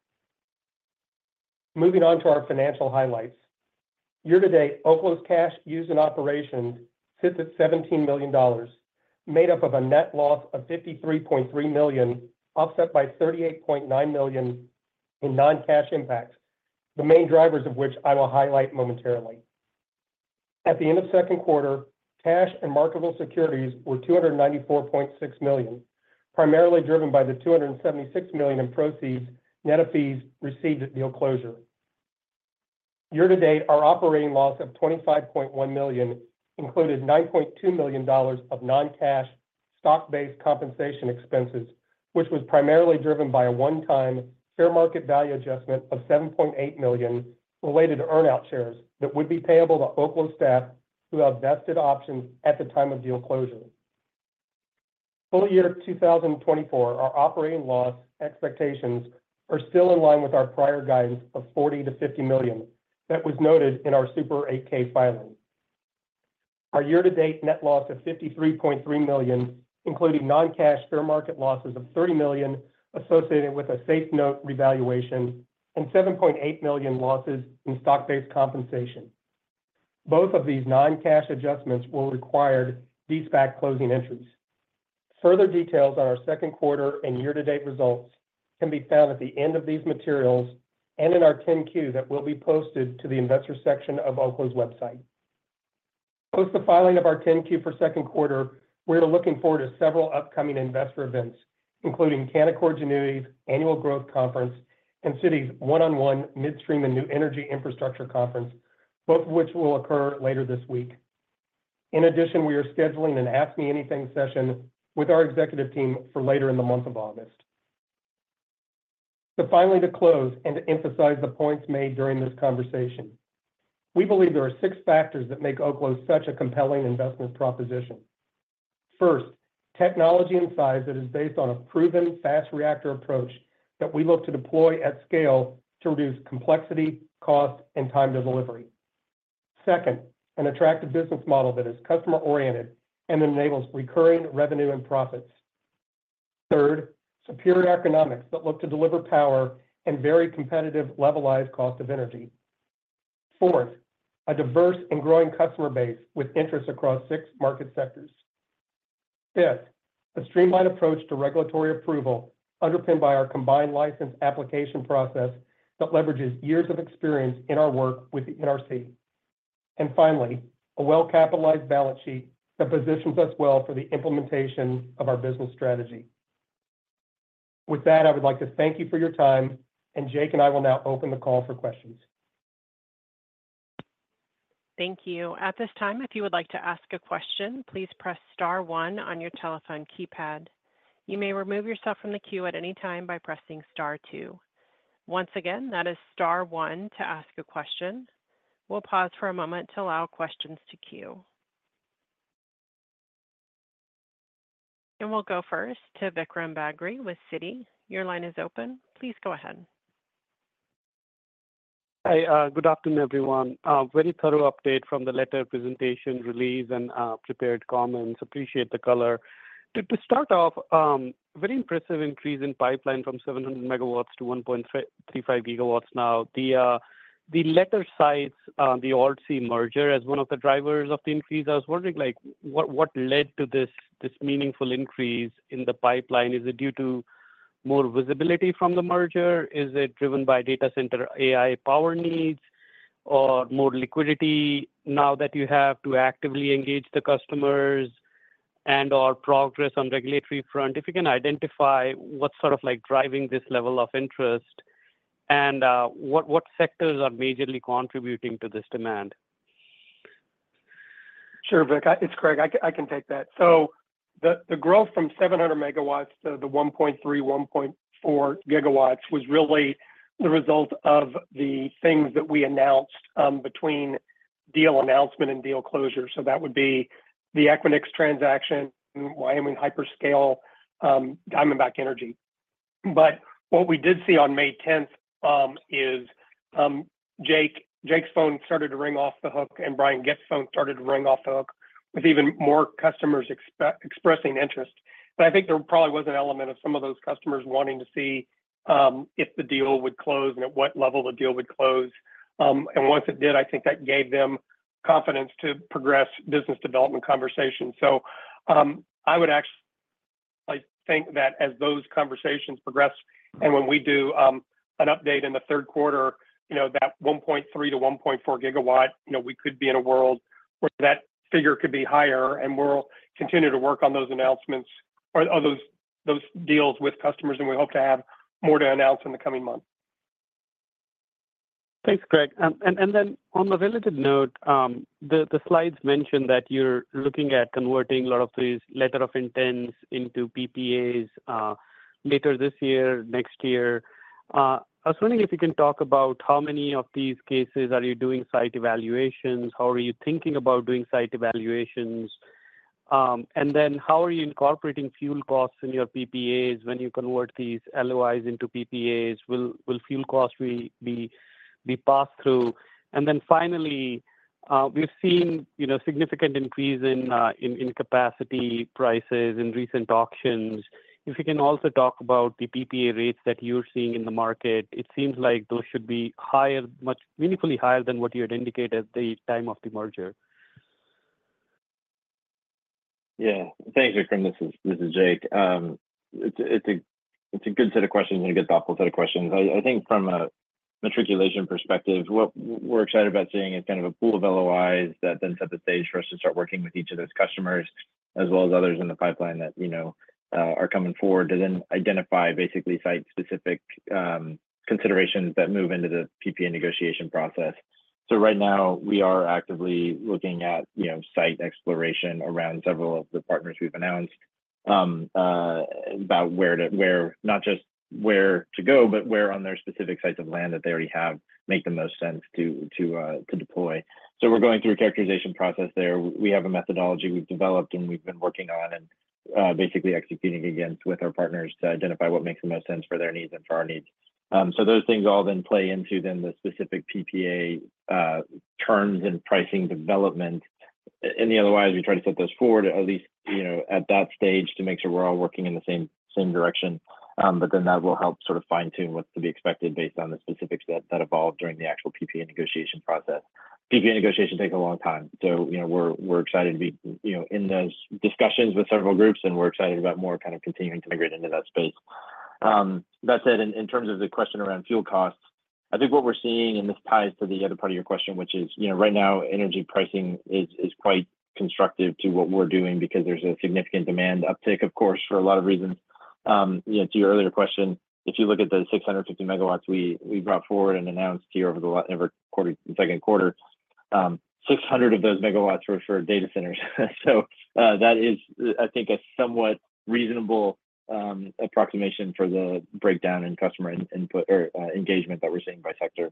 Moving on to our financial highlights. Year-to-date, Oklo's cash used in operations sits at $17 million, made up of a net loss of $53.3 million, offset by $38.9 million in non-cash impacts, the main drivers of which I will highlight momentarily. At the end of second quarter, cash and marketable securities were $294.6 million, primarily driven by the $276 million in proceeds, net of fees, received at deal closure. Year to date, our operating loss of $25.1 million included $9.2 million of non-cash stock-based compensation expenses, which was primarily driven by a one-time fair market value adjustment of $7.8 million related to earn out shares that would be payable to Oklo staff who have vested options at the time of deal closure. Full year 2024, our operating loss expectations are still in line with our prior guidance of $40 million-$50 million that was noted in our 8-K filing. Our year-to-date net loss of $53.3 million, including non-cash fair market losses of $30 million associated with a SAFE note revaluation and $7.8 million losses in stock-based compensation. Both of these non-cash adjustments will require these book closing entries. Further details on our second quarter and year-to-date results can be found at the end of these materials and in our 10-Q that will be posted to the investor section of Oklo's website. Post the filing of our 10-Q for second quarter, we are looking forward to several upcoming investor events... including Canaccord Genuity's Annual Growth Conference and Citi's one-on-one Midstream and New Energy Infrastructure Conference, both of which will occur later this week. In addition, we are scheduling an Ask Me Anything session with our executive team for later in the month of August. So finally, to close and to emphasize the points made during this conversation, we believe there are six factors that make Oklo such a compelling investment proposition. First, technology and size that is based on a proven fast reactor approach that we look to deploy at scale to reduce complexity, cost, and time to delivery. Second, an attractive business model that is customer-oriented and enables recurring revenue and profits. Third, superior economics that look to deliver power and very competitive Levelized Cost of Energy. Fourth, a diverse and growing customer base with interest across six market sectors. Fifth, a streamlined approach to regulatory approval, underpinned by our Combined License application process that leverages years of experience in our work with the NRC. Finally, a well-capitalized balance sheet that positions us well for the implementation of our business strategy. With that, I would like to thank you for your time, and Jake and I will now open the call for questions. Thank you. At this time, if you would like to ask a question, please press star one on your telephone keypad. You may remove yourself from the queue at any time by pressing star two. Once again, that is star one to ask a question. We'll pause for a moment to allow questions to queue. We'll go first to Vikram Bagri with Citi. Your line is open. Please go ahead. Hi. Good afternoon, everyone. A very thorough update from the letter presentation release and prepared comments. Appreciate the color. To start off, very impressive increase in pipeline from 700 MW to 1.35 GW now. The letter cites the AltC merger as one of the drivers of the increase. I was wondering, like, what led to this meaningful increase in the pipeline? Is it due to more visibility from the merger? Is it driven by data center AI power needs or more liquidity now that you have to actively engage the customers and/or progress on regulatory front? If you can, identify what's sort of like driving this level of interest and what sectors are majorly contributing to this demand? Sure, Vik. It's Craig. I can take that. So the growth from 700 MWs to the 1.3 GW-1.4 GW was really the result of the things that we announced between deal announcement and deal closure. So that would be the Equinix transaction, Wyoming Hyperscale, Diamondback Energy. But what we did see on May 10th is Jake's phone started to ring off the hook, and Brian Gitt's phone started to ring off the hook with even more customers expressing interest. But I think there probably was an element of some of those customers wanting to see if the deal would close and at what level the deal would close. And once it did, I think that gave them confidence to progress business development conversations. I would actually think that as those conversations progress and when we do an update in the third quarter, you know, that 1.3 GW-1.4 GW, you know, we could be in a world where that figure could be higher, and we'll continue to work on those announcements or on those, those deals with customers, and we hope to have more to announce in the coming months. Thanks, Craig. And then on a related note, the slides mention that you're looking at converting a lot of these letter of intents into PPAs later this year, next year. I was wondering if you can talk about how many of these cases are you doing site evaluations? How are you thinking about doing site evaluations? And then how are you incorporating fuel costs in your PPAs when you convert these LOIs into PPAs? Will fuel costs be passed through? And then finally, we've seen, you know, significant increase in capacity prices in recent auctions. If you can also talk about the PPA rates that you're seeing in the market, it seems like those should be higher, much meaningfully higher than what you had indicated at the time of the merger. Yeah. Thanks, Vikram. This is Jake. It's a good set of questions and a good thoughtful set of questions. I think from a matriculation perspective, what we're excited about seeing is kind of a pool of LOIs that then set the stage for us to start working with each of those customers, as well as others in the pipeline that, you know, are coming forward to then identify basically site-specific considerations that move into the PPA negotiation process. So right now, we are actively looking at, you know, site exploration around several of the partners we've announced, about where, not just where to go, but where on their specific sites of land that they already have, make the most sense to deploy. So we're going through a characterization process there. We have a methodology we've developed and we've been working on and, basically executing against with our partners to identify what makes most sense for their needs and for our needs. So those things all then play into then the specific PPA, terms and pricing development. Anyways, we try to set those forward, at least, you know, at that stage, to make sure we're all working in the same, same direction. But then that will help sort of fine-tune what's to be expected based on the specifics that, that evolved during the actual PPA negotiation process. PPA negotiations take a long time, so, you know, we're, we're excited to be, you know, in those discussions with several groups, and we're excited about more kind of continuing to migrate into that space. That said, in terms of the question around fuel costs, I think what we're seeing, and this ties to the other part of your question, which is, you know, right now, energy pricing is quite constructive to what we're doing because there's a significant demand uptick, of course, for a lot of reasons. You know, to your earlier question, if you look at the 650 MWs we brought forward and announced here over the second quarter, 600 of those MWs were for data centers. So, that is, I think, a somewhat reasonable approximation for the breakdown in customer input or engagement that we're seeing by sector.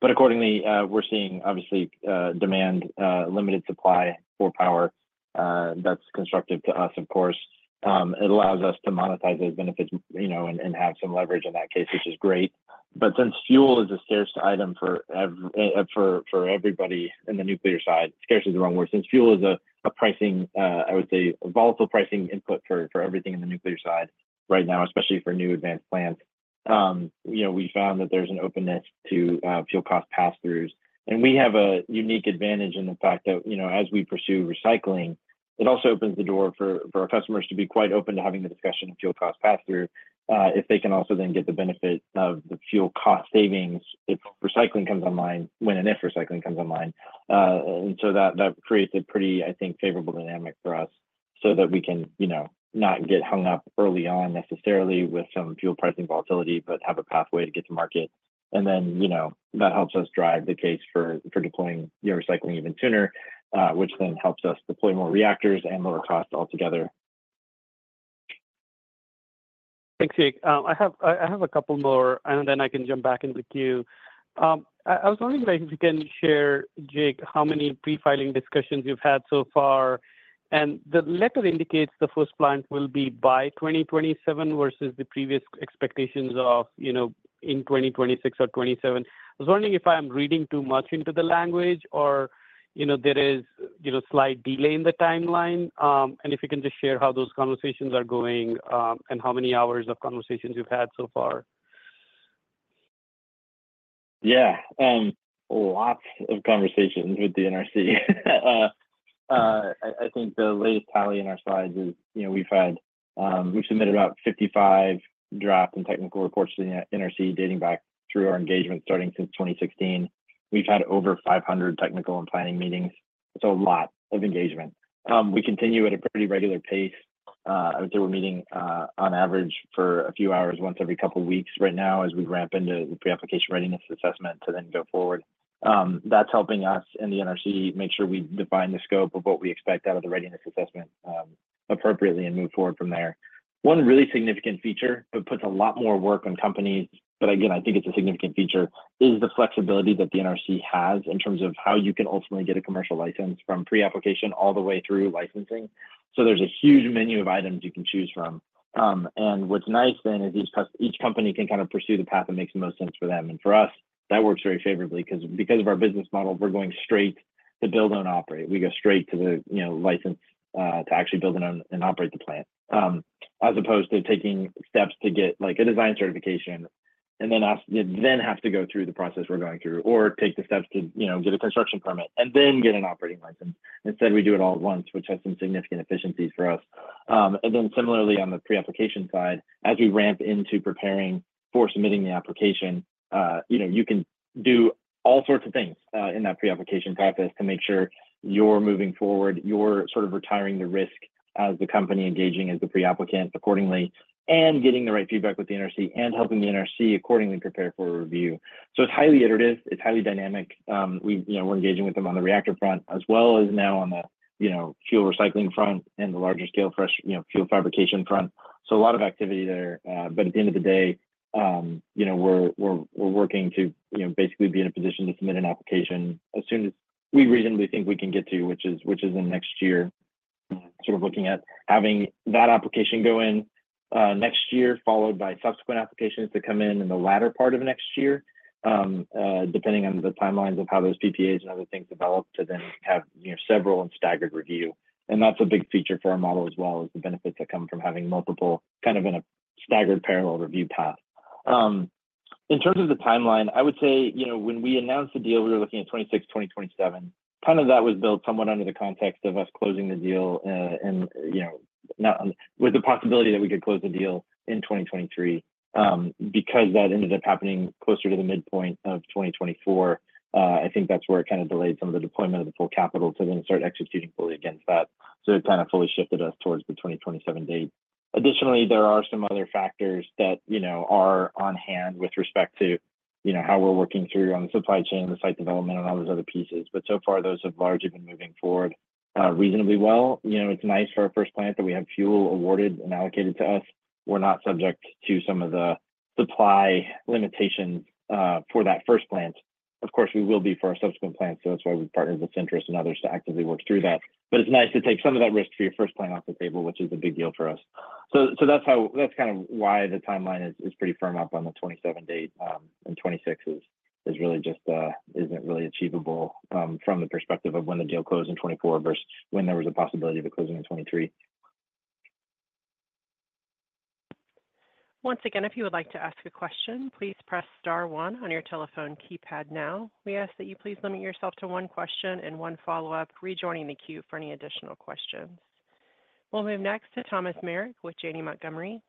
But accordingly, we're seeing obviously demand, limited supply for power. That's constructive to us, of course. It allows us to monetize those benefits, you know, and, and have some leverage in that case, which is great. But since fuel is a scarce item for everybody in the nuclear side, scarce is the wrong word. Since fuel is a pricing, I would say, a volatile pricing input for everything in the nuclear side right now, especially for new advanced plants, you know, we found that there's an openness to fuel cost pass-throughs. And we have a unique advantage in the fact that, you know, as we pursue recycling, it also opens the door for our customers to be quite open to having the discussion of fuel cost pass-through, if they can also then get the benefit of the fuel cost savings if recycling comes online, when and if recycling comes online. And so that creates a pretty, I think, favorable dynamic for us so that we can, you know, not get hung up early on necessarily with some fuel pricing volatility, but have a pathway to get to market. And then, you know, that helps us drive the case for deploying, you know, recycling even sooner, which then helps us deploy more reactors and lower costs altogether. Thanks, Jake. I have a couple more, and then I can jump back in the queue. I was wondering if you can share, Jake, how many pre-filing discussions you've had so far. The letter indicates the first plant will be by 2027 versus the previous expectations of, you know, in 2026 or 2027. I was wondering if I'm reading too much into the language or, you know, there is, you know, a slight delay in the timeline. And if you can just share how those conversations are going, and how many hours of conversations you've had so far. Yeah. Lots of conversations with the NRC. I think the latest tally in our slides is, you know, we've had, we've submitted about 55 drafts and technical reports to the NRC, dating back through our engagement starting since 2016. We've had over 500 technical and planning meetings, so a lot of engagement. We continue at a pretty regular pace. I went through a meeting, on average for a few hours once every couple of weeks right now, as we ramp into the pre-application readiness assessment to then go forward. That's helping us and the NRC make sure we define the scope of what we expect out of the readiness assessment, appropriately and move forward from there. One really significant feature that puts a lot more work on companies, but again, I think it's a significant feature, is the flexibility that the NRC has in terms of how you can ultimately get a commercial license from pre-application all the way through licensing. So there's a huge menu of items you can choose from. And what's nice then is each company can kind of pursue the path that makes the most sense for them. And for us, that works very favorably because of our business model, we're going straight to build and operate. We go straight to the, you know, license to actually build and own and operate the plant. As opposed to taking steps to get, like, a Design Certification, and then have to go through the process we're going through or take the steps to, you know, get a construction permit and then get an operating license. Instead, we do it all at once, which has some significant efficiencies for us. And then similarly, on the pre-application side, as we ramp into preparing for submitting the application, you know, you can do all sorts of things, in that pre-application process to make sure you're moving forward, you're sort of retiring the risk as the company engaging as the pre-applicant accordingly, and getting the right feedback with the NRC and helping the NRC accordingly prepare for a review. So it's highly iterative. It's highly dynamic. We, you know, we're engaging with them on the reactor front, as well as now on the, you know, fuel recycling front and the larger scale fresh, you know, fuel fabrication front. So a lot of activity there, but at the end of the day, you know, we're working to, you know, basically be in a position to submit an application as soon as we reasonably think we can get to, which is in next year. Sort of looking at having that application go in next year, followed by subsequent applications to come in in the latter part of next year, depending on the timelines of how those PPAs and other things develop to then have, you know, several and staggered review. That's a big feature for our model, as well as the benefits that come from having multiple, kind of in a staggered parallel review path. In terms of the timeline, I would say, you know, when we announced the deal, we were looking at 2026, 2027. Kind of that was built somewhat under the context of us closing the deal, and, you know, not... With the possibility that we could close the deal in 2023. Because that ended up happening closer to the midpoint of 2024, I think that's where it kind of delayed some of the deployment of the full capital to then start executing fully against that. So it kind of fully shifted us towards the 2027 date. Additionally, there are some other factors that, you know, are on hand with respect to, you know, how we're working through on the supply chain, the site development, and all those other pieces. But so far, those have largely been moving forward, reasonably well. You know, it's nice for our first plant that we have fuel awarded and allocated to us. We're not subject to some of the supply limitations, for that first plant. Of course, we will be for our subsequent plant, so that's why we've partnered with Centrus and others to actively work through that. But it's nice to take some of that risk for your first plant off the table, which is a big deal for us. So that's how that's kind of why the timeline is pretty firm up on the 2027 date, and 2026 is really just isn't really achievable, from the perspective of when the deal closed in 2024 versus when there was a possibility of it closing in 2023. Once again, if you would like to ask a question, please press star one on your telephone keypad now. We ask that you please limit yourself to one question and one follow-up, rejoining the queue for any additional questions. We'll move next to Thomas Meric with Janney Montgomery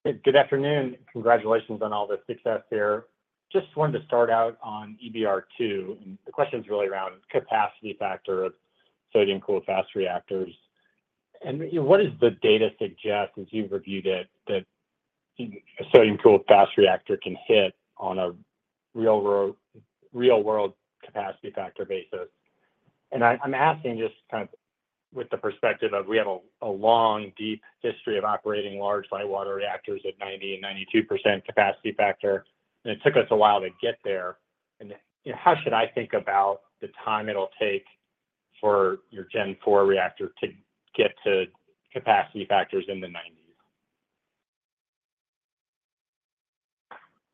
Scott. Good afternoon. Congratulations on all the success there. Just wanted to start out on EBR-II, and the question's really around capacity factor of sodium-cooled fast reactors. And, you know, what does the data suggest, as you've reviewed it, that a sodium-cooled fast reactor can hit on a real world, real-world capacity factor basis? And I, I'm asking just kind of with the perspective of we have a, a long, deep history of operating large light water reactors at 90% and 92% capacity factor, and it took us a while to get there. And, you know, how should I think about the time it'll take for your Gen IV reactor to get to capacity factors in the 90s?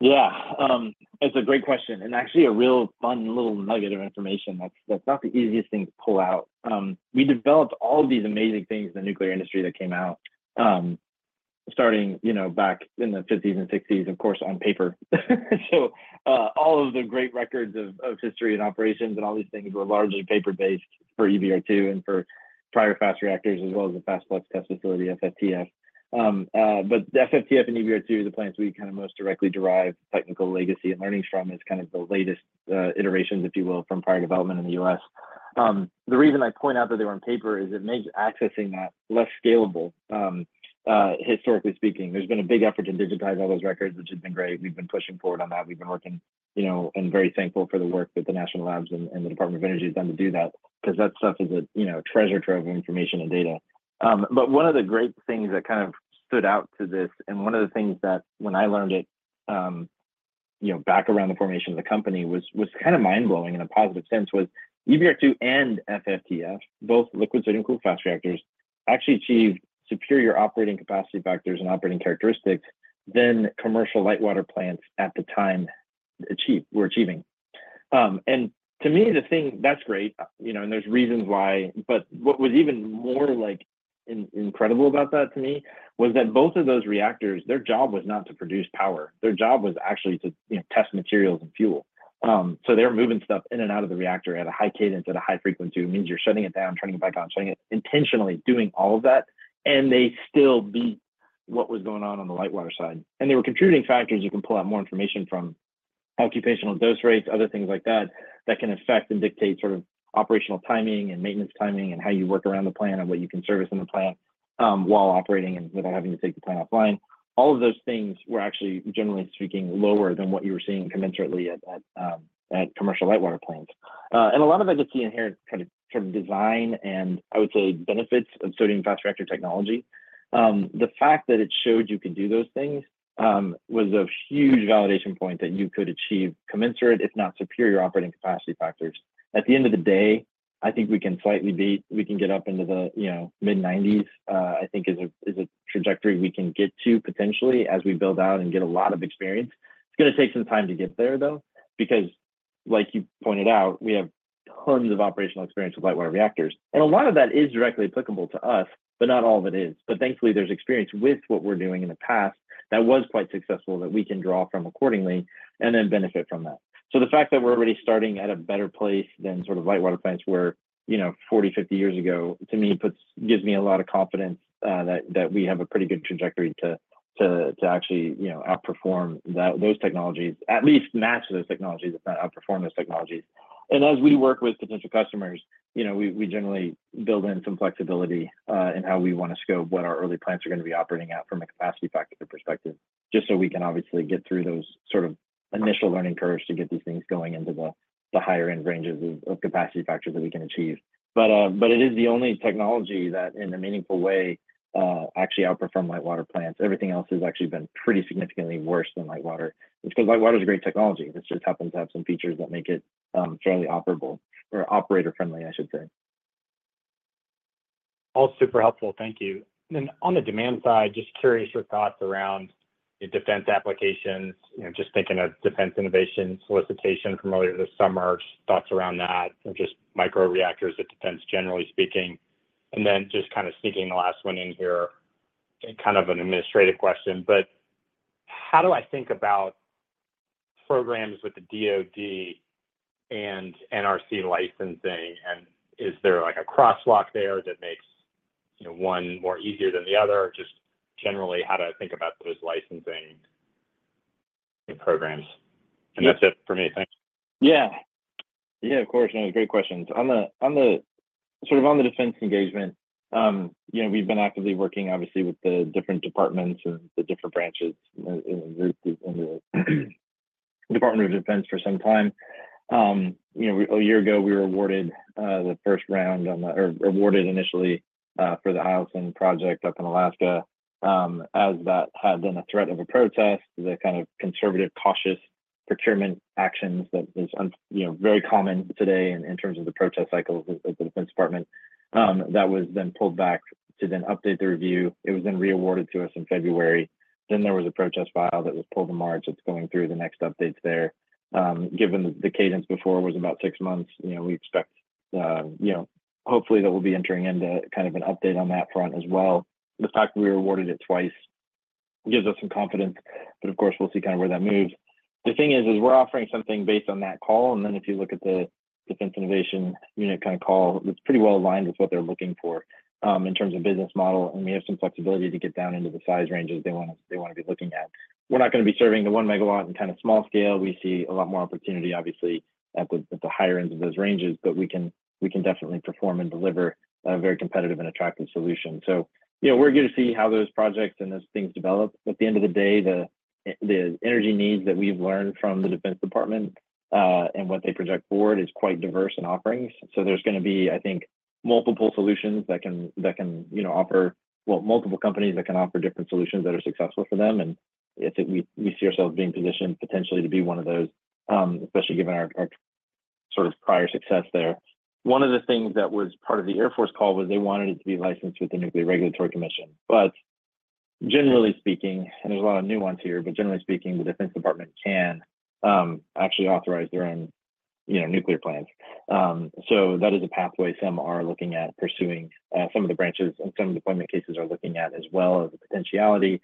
Yeah, that's a great question, and actually a real fun little nugget of information that's, that's not the easiest thing to pull out. We developed all of these amazing things in the nuclear industry that came out, starting, you know, back in the 1950s and 1960s, of course, on paper. So, all of the great records of history and operations and all these things were largely paper-based for EBR-II and for prior fast reactors, as well as the Fast Flux Test Facility, FFTF. But the FFTF and EBR-II are the plants we kind of most directly derive technical legacy and learnings from as kind of the latest iterations, if you will, from prior development in the U.S. The reason I point out that they were on paper is it makes accessing that less scalable, historically speaking. There's been a big effort to digitize all those records, which has been great. We've been pushing forward on that. We've been working, you know, and very thankful for the work that the National Labs and the Department of Energy has done to do that, 'cause that stuff is a, you know, treasure trove of information and data. But one of the great things that kind of stood out to this, and one of the things that when I learned it, you know, back around the formation of the company, was kind of mind-blowing in a positive sense, was EBR-II and FFTF, both liquid sodium-cooled fast reactors, actually achieved superior operating capacity factors and operating characteristics than commercial light water plants at the time were achieving. And to me, the thing. That's great, you know, and there's reasons why, but what was even more, like, incredible about that to me, was that both of those reactors, their job was not to produce power. Their job was actually to, you know, test materials and fuel. So they were moving stuff in and out of the reactor at a high cadence, at a high frequency, means you're shutting it down, turning it back on, shutting it... intentionally doing all of that, and they still beat what was going on on the light water side. And there were contributing factors. You can pull out more information from occupational dose rates, other things like that, that can affect and dictate sort of operational timing and maintenance timing, and how you work around the plant, and what you can service in the plant, while operating and without having to take the plant offline. All of those things were actually, generally speaking, lower than what you were seeing commensurately at commercial light water plants. And a lot of that just the inherent kind of design and I would say benefits of sodium fast reactor technology. The fact that it showed you could do those things was a huge validation point that you could achieve commensurate, if not superior, operating capacity factors. At the end of the day, I think we can get up into the, you know, mid-90s. I think is a trajectory we can get to potentially as we build out and get a lot of experience. It's gonna take some time to get there, though, because, like you pointed out, we have tons of operational experience with light water reactors, and a lot of that is directly applicable to us, but not all of it is. But thankfully, there's experience with what we're doing in the past that was quite successful that we can draw from accordingly and then benefit from that. So the fact that we're already starting at a better place than sort of light water plants were, you know, 40, 50 years ago, to me, gives me a lot of confidence that we have a pretty good trajectory to actually, you know, outperform those technologies. At least match those technologies, if not outperform those technologies. As we work with potential customers, you know, we generally build in some flexibility in how we want to scope what our early plants are going to be operating at from a capacity factor perspective, just so we can obviously get through those sort of initial learning curves to get these things going into the higher-end ranges of capacity factors that we can achieve. But it is the only technology that, in a meaningful way, actually outperformed light water plants. Everything else has actually been pretty significantly worse than light water. Because light water is a great technology. It just happens to have some features that make it fairly operable or operator-friendly, I should say. All super helpful. Thank you. Then on the demand side, just curious, your thoughts around the defense applications. You know, just thinking of Defense Innovation Unit solicitation from earlier this summer. Just thoughts around that, and just microreactors at defense, generally speaking. And then just kind of sneaking the last one in here, and kind of an administrative question, but how do I think about programs with the DoD and NRC licensing, and is there, like, a crosswalk there that makes, you know, one more easier than the other? Just generally, how do I think about those licensing programs? Yeah. That's it for me. Thanks. Yeah. Yeah, of course, no, great questions. On the sort of defense engagement, you know, we've been actively working obviously with the different departments and the different branches in the Department of Defense for some time. You know, a year ago, we were awarded initially for the Eielson project up in Alaska. As that had been a threat of a protest, the kind of conservative, cautious procurement actions that is, you know, very common today in terms of the protest cycles with the Defense Department, that was then pulled back to update the review. It was then re-awarded to us in February. Then there was a protest filed that was pulled in March that's going through the next updates there. Given the cadence before was about 6 months, you know, we expect, you know, hopefully that we'll be entering into kind of an update on that front as well. The fact that we were awarded it twice gives us some confidence, but of course, we'll see kind of where that moves. The thing is, is we're offering something based on that call, and then if you look at the Defense Innovation Unit kind of call, it's pretty well aligned with what they're looking for, in terms of business model. And we have some flexibility to get down into the size ranges they wanna, they wanna be looking at. We're not gonna be serving the 1 MW and kind of small scale. We see a lot more opportunity, obviously, at the higher ends of those ranges, but we can definitely perform and deliver a very competitive and attractive solution. So, yeah, we're good to see how those projects and those things develop. At the end of the day, the energy needs that we've learned from the Department of Defense, and what they project forward is quite diverse in offerings. So there's gonna be, I think, multiple solutions that can, you know, offer well, multiple companies that can offer different solutions that are successful for them. And I think we see ourselves being positioned potentially to be one of those, especially given our sort of prior success there. One of the things that was part of the Air Force call was they wanted it to be licensed with the Nuclear Regulatory Commission. But generally speaking, and there's a lot of nuance here, but generally speaking, the Department of Defense can actually authorize their own, you know, nuclear plants. So that is a pathway some are looking at pursuing, some of the branches and some deployment cases are looking at as well as a potentiality.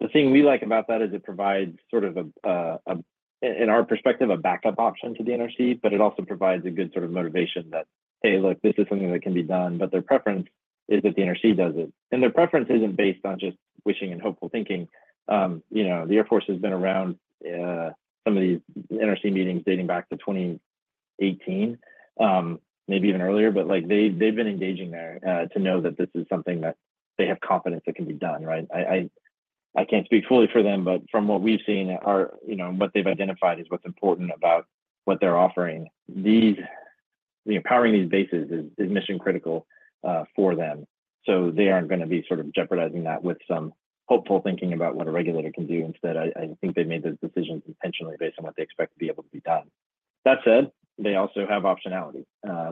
The thing we like about that is it provides sort of a, in our perspective, a backup option to the NRC, but it also provides a good sort of motivation that, hey, look, this is something that can be done, but their preference is that the NRC does it. And their preference isn't based on just wishing and hopeful thinking. You know, the Air Force has been around some of these NRC meetings dating back to 2018, maybe even earlier, but like, they've been engaging there to know that this is something that they have confidence that can be done, right? I can't speak fully for them, but from what we've seen, you know, what they've identified is what's important about what they're offering. Powering these bases is mission critical for them. So they aren't gonna be sort of jeopardizing that with some hopeful thinking about what a regulator can do. Instead, I think they made those decisions intentionally based on what they expect to be able to be done. That said, they also have optionality,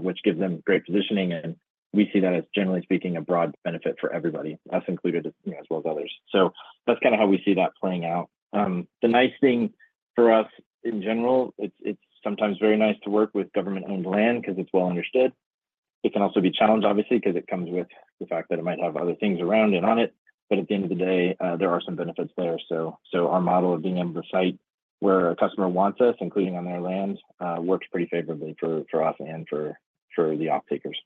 which gives them great positioning, and we see that as, generally speaking, a broad benefit for everybody, us included, you know, as well as others. So that's kinda how we see that playing out. The nice thing for us in general, it's sometimes very nice to work with government-owned land because it's well understood. It can also be a challenge, obviously, because it comes with the fact that it might have other things around and on it. But at the end of the day, there are some benefits there. So our model of being able to site where a customer wants us, including on their land, works pretty favorably for us and for the off-takers.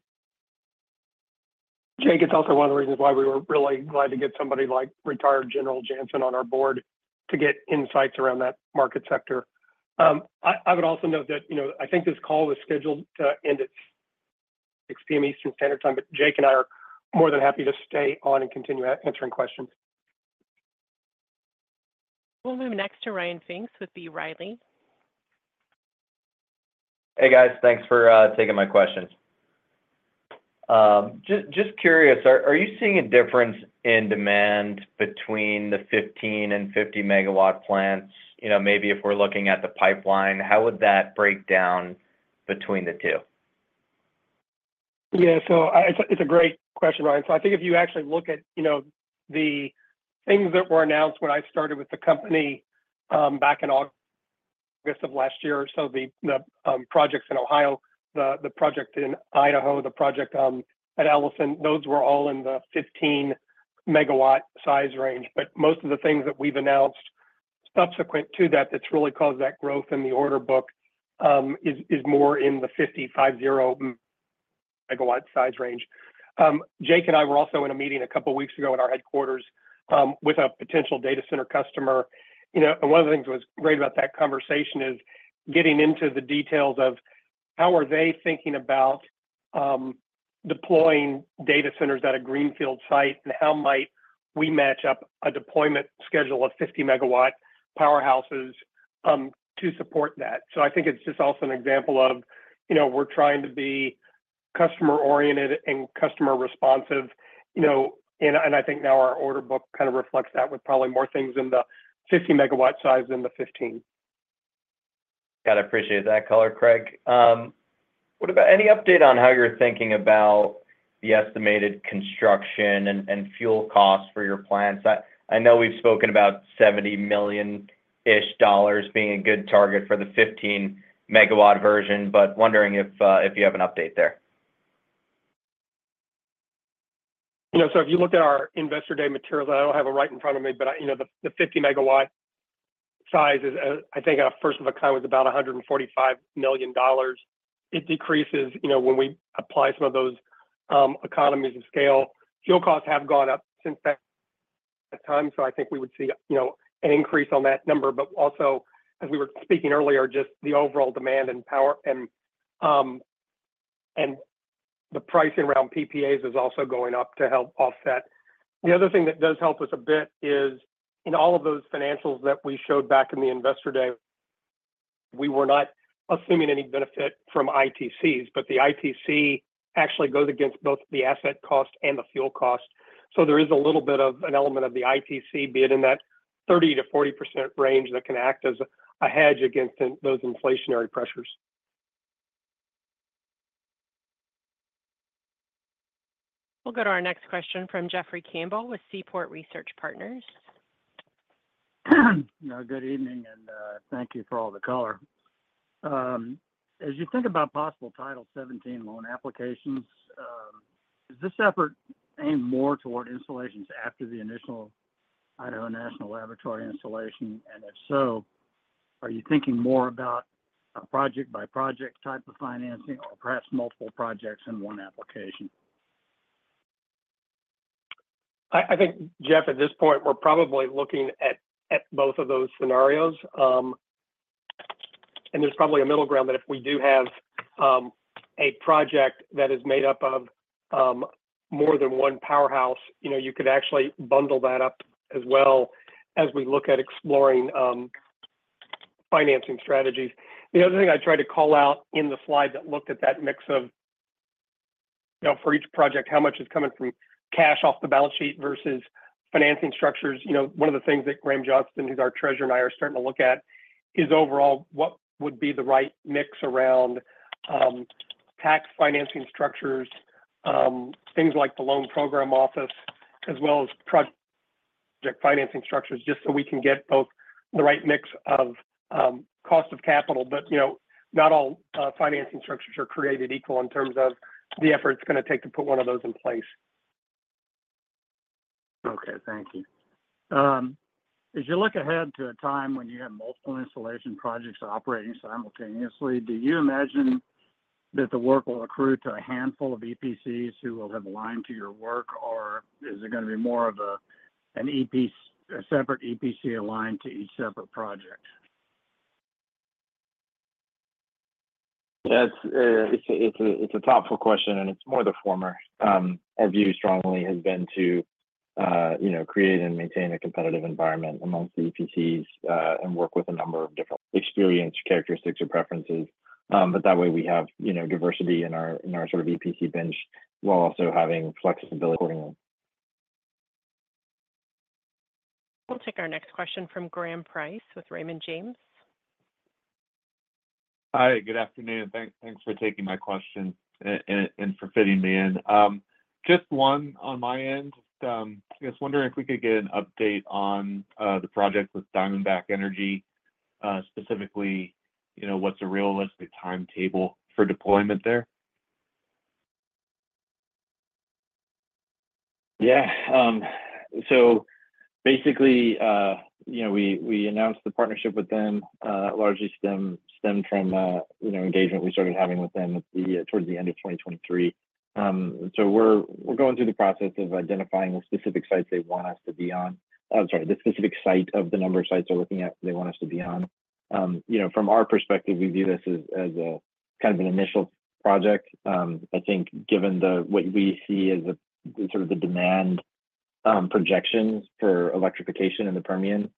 Jake, it's also one of the reasons why we were really glad to get somebody like Retired General Jansen on our board to get insights around that market sector. I would also note that, you know, I think this call is scheduled to end at 6 P.M. Eastern Standard Time, but Jake and I are more than happy to stay on and continue answering questions. We'll move next to Ryan Pfingst with B. Riley. Hey, guys. Thanks for taking my questions. Just curious, are you seeing a difference in demand between the 15 MW and 50 MW plants? You know, maybe if we're looking at the pipeline, how would that break down between the two? Yeah. So it's a great question, Ryan. So I think if you actually look at, you know, the things that were announced when I started with the company, back in August of last year or so, the projects in Ohio, the project in Idaho, the project at Eielson, those were all in the 15-MW size range. But most of the things that we've announced subsequent to that, that's really caused that growth in the order book, is more in the 50, 50-MW size range. Jake and I were also in a meeting a couple of weeks ago at our headquarters, with a potential data center customer. You know, and one of the things that was great about that conversation is getting into the details of how are they thinking about, deploying data centers at a greenfield site, and how might we match up a deployment schedule of 50 MW powerhouses, to support that? So I think it's just also an example of, you know, we're trying to be customer-oriented and customer-responsive, you know, and, and I think now our order book kind of reflects that with probably more things in the 50 MW size than the 15 MW. Got it. Appreciate that color, Craig. What about any update on how you're thinking about the estimated construction and fuel costs for your plants? I know we've spoken about $70 million-ish being a good target for the 15-MW version, but wondering if you have an update there. You know, so if you look at our Investor Day materials, I don't have it right in front of me, but I, you know, the 50 MW size is, I think our first of a kind was about $145 million. It decreases, you know, when we apply some of those economies of scale. Fuel costs have gone up since that time, so I think we would see, you know, an increase on that number. But also, as we were speaking earlier, just the overall demand and power and the pricing around PPAs is also going up to help offset. The other thing that does help us a bit is, in all of those financials that we showed back in the Investor Day, we were not assuming any benefit from ITCs, but the ITC actually goes against both the asset cost and the fuel cost. So there is a little bit of an element of the ITC, be it in that 30%-40% range, that can act as a hedge against those inflationary pressures. We'll go to our next question from Jeffrey Campbell with Seaport Research Partners. Good evening, and, thank you for all the color. As you think about possible Title 17 loan applications, is this effort aimed more toward installations after the initial Idaho National Laboratory installation? And if so, are you thinking more about a project-by-project type of financing or perhaps multiple projects in one application? I think, Jeff, at this point, we're probably looking at both of those scenarios. And there's probably a middle ground that if we do have a project that is made up of more than one powerhouse, you know, you could actually bundle that up as well as we look at exploring financing strategies. The other thing I tried to call out in the slide that looked at that mix of, you know, for each project, how much is coming from cash off the balance sheet versus financing structures. You know, one of the things that Graham Johnston, who's our treasurer, and I are starting to look at is, overall, what would be the right mix around tax financing structures, things like the Loan Program Office, as well as project financing structures, just so we can get both the right mix of cost of capital. But, you know, not all financing structures are created equal in terms of the effort it's gonna take to put one of those in place. Okay, thank you. As you look ahead to a time when you have multiple installation projects operating simultaneously, do you imagine that the work will accrue to a handful of EPCs who will have aligned to your work, or is it gonna be more of a, a separate EPC aligned to each separate project? Yes, it's a thoughtful question, and it's more the former. Our view strongly has been to, you know, create and maintain a competitive environment amongst the EPCs, and work with a number of different experience, characteristics, or preferences. But that way, we have, you know, diversity in our sort of EPC bench, while also having flexibility. We'll take our next question from Graham Price with Raymond James. Hi, good afternoon. Thanks for taking my question and for fitting me in. Just one on my end. Just wondering if we could get an update on the project with Diamondback Energy. Specifically, you know, what's a realistic timetable for deployment there? Yeah. So basically, you know, we announced the partnership with them largely stemmed from, you know, engagement we started having with them towards the end of 2023. So we're going through the process of identifying the specific sites they want us to be on. I'm sorry, the specific site of the number of sites they're looking at, they want us to be on. You know, from our perspective, we view this as a kind of an initial project. I think given what we see as the sort of the demand projections for electrification in the Permian,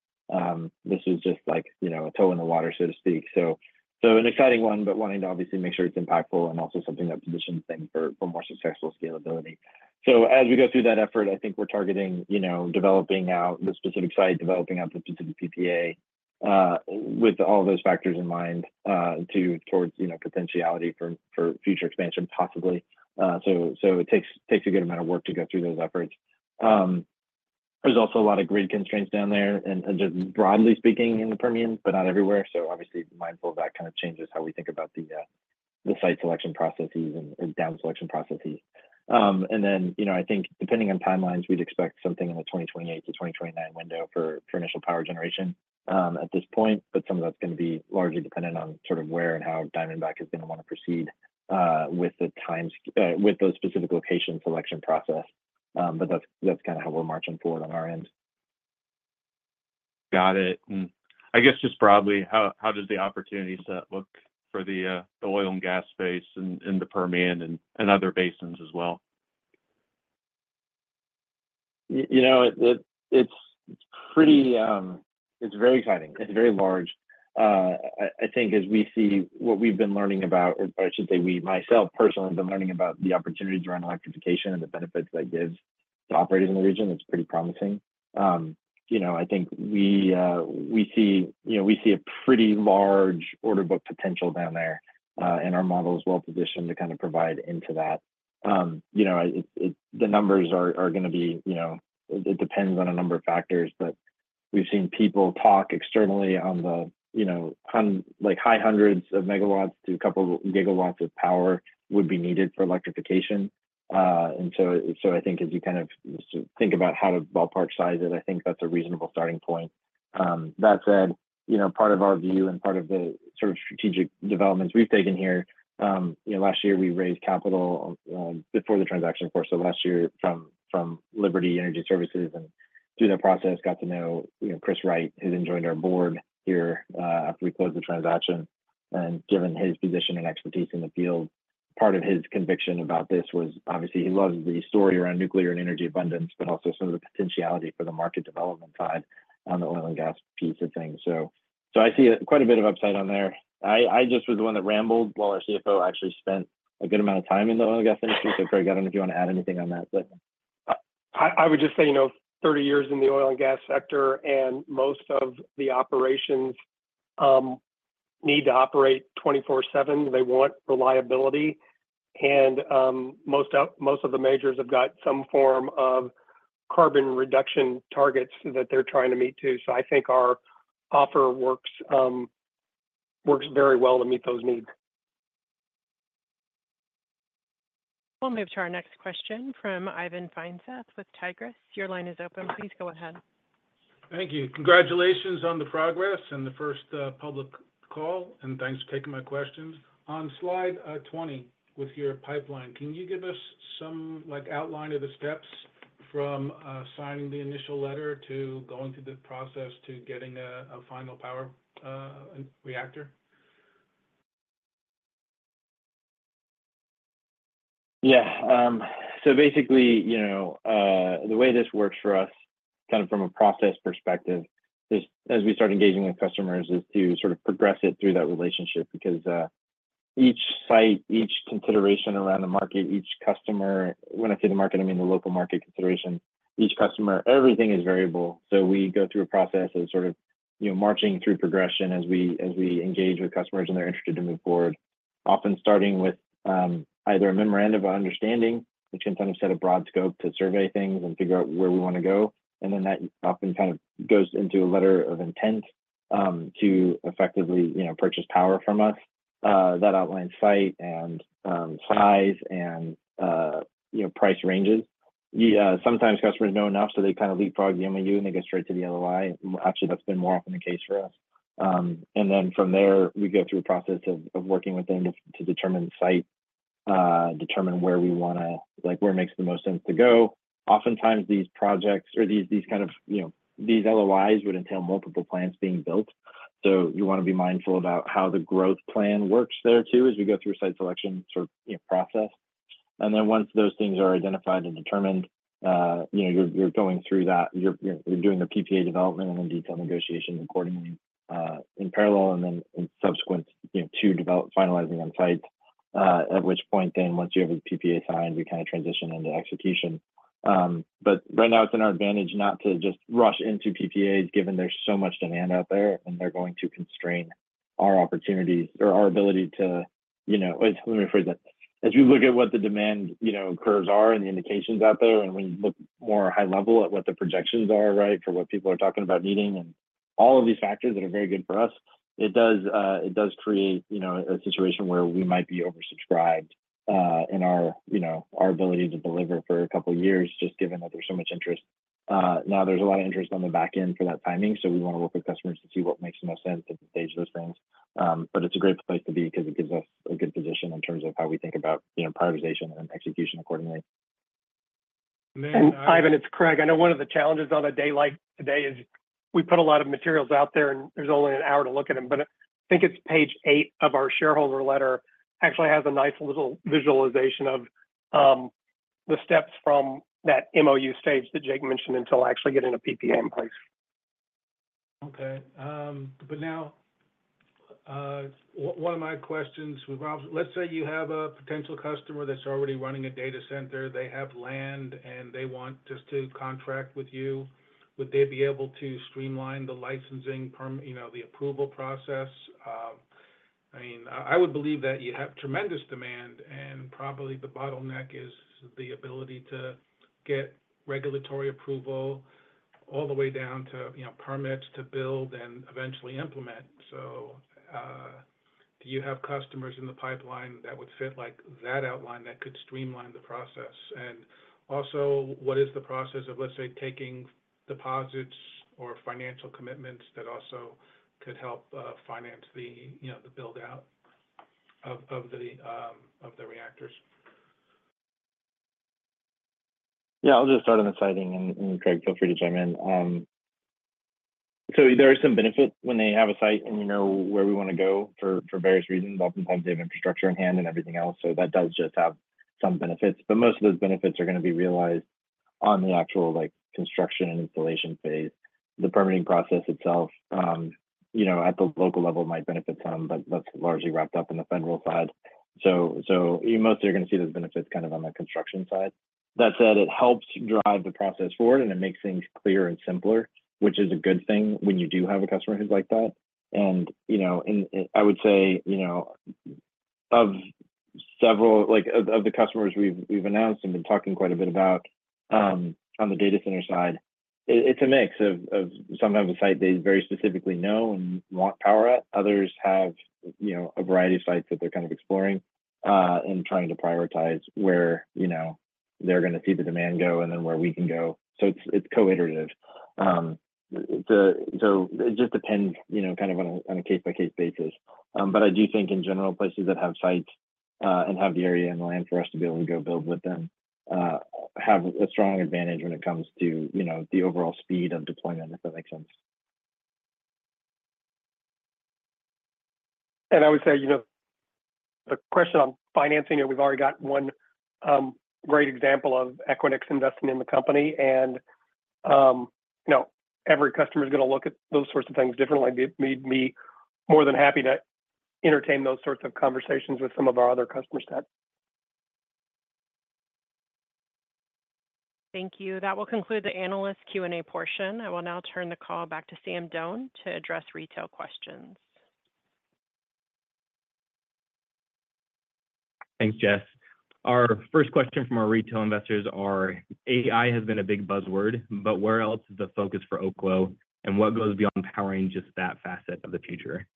this is just like, you know, a toe in the water, so to speak. So, an exciting one, but wanting to obviously make sure it's impactful and also something that positions things for more successful scalability. So as we go through that effort, I think we're targeting, you know, developing out the specific site, developing out the specific PPA, with all those factors in mind, to, towards, you know, potentiality for future expansion, possibly. So it takes a good amount of work to go through those efforts. There's also a lot of grid constraints down there, and just broadly speaking, in the Permian, but not everywhere. So obviously, mindful of that kind of changes how we think about the site selection processes and down selection processes. And then, you know, I think depending on timelines, we'd expect something in the 2028-2029 window for initial power generation at this point. But some of that's gonna be largely dependent on sort of where and how Diamondback is gonna wanna proceed with those specific location selection process. But that's, that's kinda how we're marching forward on our end. Got it. I guess just broadly, how does the opportunity set look for the oil and gas space in the Permian and other basins as well? You know, it's pretty. It's very exciting. It's very large. I think as we see what we've been learning about, or I should say, we, myself personally, have been learning about the opportunities around electrification and the benefits that gives to operating in the region, it's pretty promising. You know, I think we, we see, you know, we see a pretty large order book potential down there, and our model is well positioned to kind of provide into that. You know, the numbers are gonna be, you know, it depends on a number of factors, but we've seen people talk externally on the, you know, like, high hundreds of megawatts to a couple of gigawatts of power would be needed for electrification. And so, so I think as you kind of think about how to ballpark size it, I think that's a reasonable starting point. That said, you know, part of our view and part of the sort of strategic developments we've taken here, you know, last year, we raised capital, before the transaction, of course, so last year, from Liberty Energy, and through that process, got to know, you know, Chris Wright, who then joined our board here, after we closed the transaction. And given his position and expertise in the field, part of his conviction about this was, obviously, he loves the story around nuclear and energy abundance, but also some of the potentiality for the market development side on the oil and gas piece of things. So, so I see quite a bit of upside on there. I just was the one that rambled, while our CFO actually spent a good amount of time in the oil and gas industry. So Craig, I don't know if you want to add anything on that, but. I, I would just say, you know, 30 years in the oil and gas sector, and most of the operations need to operate 24/7. They want reliability, and most of the majors have got some form of carbon reduction targets that they're trying to meet too. So I think our offer works works very well to meet those needs. We'll move to our next question from Ivan Feinseth with Tigress. Your line is open. Please go ahead. Thank you. Congratulations on the progress and the first public call, and thanks for taking my questions. On slide 20 with your pipeline, can you give us some, like, outline of the steps from signing the initial letter to going through the process to getting a final power reactor? Yeah. So basically, you know, the way this works for us, kind of from a process perspective is, as we start engaging with customers, is to sort of progress it through that relationship. Because, each site, each consideration around the market, each customer. When I say the market, I mean the local market consideration, each customer, everything is variable. So we go through a process of sort of, you know, marching through progression as we engage with customers and they're interested to move forward. Often starting with either a memorandum of understanding, which can kind of set a broad scope to survey things and figure out where we want to go, and then that often kind of goes into a letter of intent to effectively, you know, purchase power from us that outlines site and size and, you know, price ranges. Yeah, sometimes customers know enough, so they kind of leapfrog the MOU, and they get straight to the LOI. Actually, that's been more often the case for us. And then from there, we go through a process of working with them to determine the site, determine where we want to—like, where it makes the most sense to go. Oftentimes, these projects or these kind of, you know, these LOIs would entail multiple plants being built. So you want to be mindful about how the growth plan works there, too, as we go through site selection sort of, you know, process. And then once those things are identified and determined, you know, you're going through that, you're doing the PPA development and then detail negotiations accordingly, in parallel, and then in subsequent, you know, to develop finalizing on site. At which point then, once you have a PPA signed, we kind of transition into execution. But right now, it's in our advantage not to just rush into PPAs, given there's so much demand out there, and they're going to constrain our opportunities or our ability to, you know... Let me rephrase that. As we look at what the demand, you know, curves are and the indications out there, and we look more high level at what the projections are, right, for what people are talking about needing and all of these factors that are very good for us. It does, it does create, you know, a situation where we might be oversubscribed in our, you know, our ability to deliver for a couple of years, just given that there's so much interest. Now there's a lot of interest on the back end for that timing, so we want to work with customers to see what makes most sense at the stage of those things. But it's a great place to be because it gives us a good position in terms of how we think about, you know, prioritization and execution accordingly. And Ivan, it's Craig. I know one of the challenges on a day like today is we put a lot of materials out there, and there's only an hour to look at them. But I think it's page eight of our shareholder letter, actually has a nice little visualization of the steps from that MOU stage that Jake mentioned, until actually getting a PPA in place. Okay, but now, one of my questions, let's say you have a potential customer that's already running a data center, they have land, and they want just to contract with you. Would they be able to streamline the licensing permitting, you know, the approval process? I mean, I would believe that you have tremendous demand, and probably the bottleneck is the ability to get regulatory approval all the way down to, you know, permits to build and eventually implement. So, do you have customers in the pipeline that would fit, like, that outline, that could streamline the process? And also, what is the process of, let's say, taking deposits or financial commitments that also could help finance the, you know, the build-out of the reactors? Yeah, I'll just start on the siting and Craig, feel free to chime in. So there are some benefits when they have a site, and we know where we want to go for various reasons. Oftentimes, they have infrastructure in hand and everything else, so that does just have some benefits. But most of those benefits are going to be realized on the actual, like, construction and installation phase. The permitting process itself, you know, at the local level, might benefit some, but that's largely wrapped up in the federal side. So you mostly are going to see those benefits kind of on the construction side. That said, it helps drive the process forward, and it makes things clearer and simpler, which is a good thing when you do have a customer who's like that. I would say, you know, of several—like, of the customers we've announced and been talking quite a bit about, on the data center side, it's a mix of, sometimes a site they very specifically know and want power at. Others have, you know, a variety of sites that they're kind of exploring, and trying to prioritize where, you know, they're going to see the demand go and then where we can go. So it's co-iterative. It just depends, you know, kind of on a case-by-case basis. But I do think in general, places that have sites, and have the area and the land for us to be able to go build with them, have a strong advantage when it comes to, you know, the overall speed of deployment, if that makes sense. I would say, you know, the question on financing, and we've already got one, great example of Equinix investing in the company. You know, every customer is going to look at those sorts of things differently. It made me more than happy to entertain those sorts of conversations with some of our other customers that. Thank you. That will conclude the analyst Q&A portion. I will now turn the call back to Sam Doan to address retail questions. Thanks, Jess. Our first question from our retail investors are, AI has been a big buzzword, but where else is the focus for Oklo, and what goes beyond powering just that facet of the future?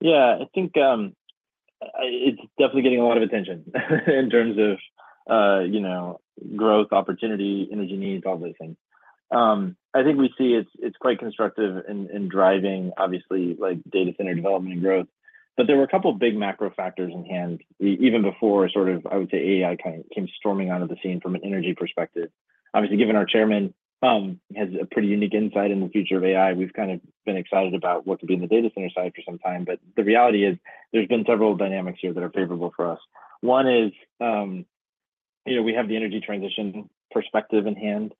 Yeah, I think it's definitely getting a lot of attention, in terms of you know, growth, opportunity, energy needs, all those things. I think we see it's quite constructive in driving, obviously, like, data center development and growth. But there were a couple of big macro factors in hand, even before sort of, I would say, AI kind of came storming out of the scene from an energy perspective. Obviously, given our chairman has a pretty unique insight in the future of AI, we've kind of been excited about what could be in the data center side for some time. But the reality is, there's been several dynamics here that are favorable for us. One is, you know, we have the energy transition perspective in hand,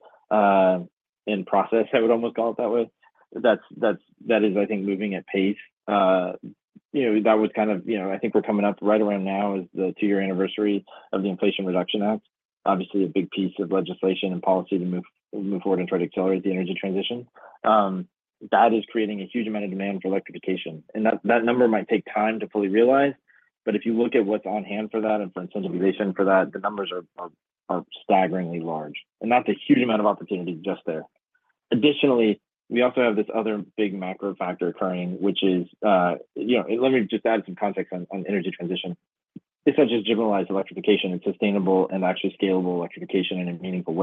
in process, I would almost call it that way. That is, I think, moving at pace. You know, that was kind of you know, I think we're coming up right around now, is the two-year anniversary of the Inflation Reduction Act. Obviously, a big piece of legislation and policy to move, move forward and try to accelerate the energy transition. That is creating a huge amount of demand for electrification, and that, that number might take time to fully realize. But if you look at what's on hand for that and for incentivization for that, the numbers are, are, are staggeringly large. And that's a huge amount of opportunity just there. Additionally, we also have this other big macro factor occurring, which is, you know. Let me just add some context on energy transition. It's not just generalized electrification and sustainable and actually scalable electrification in a meaningful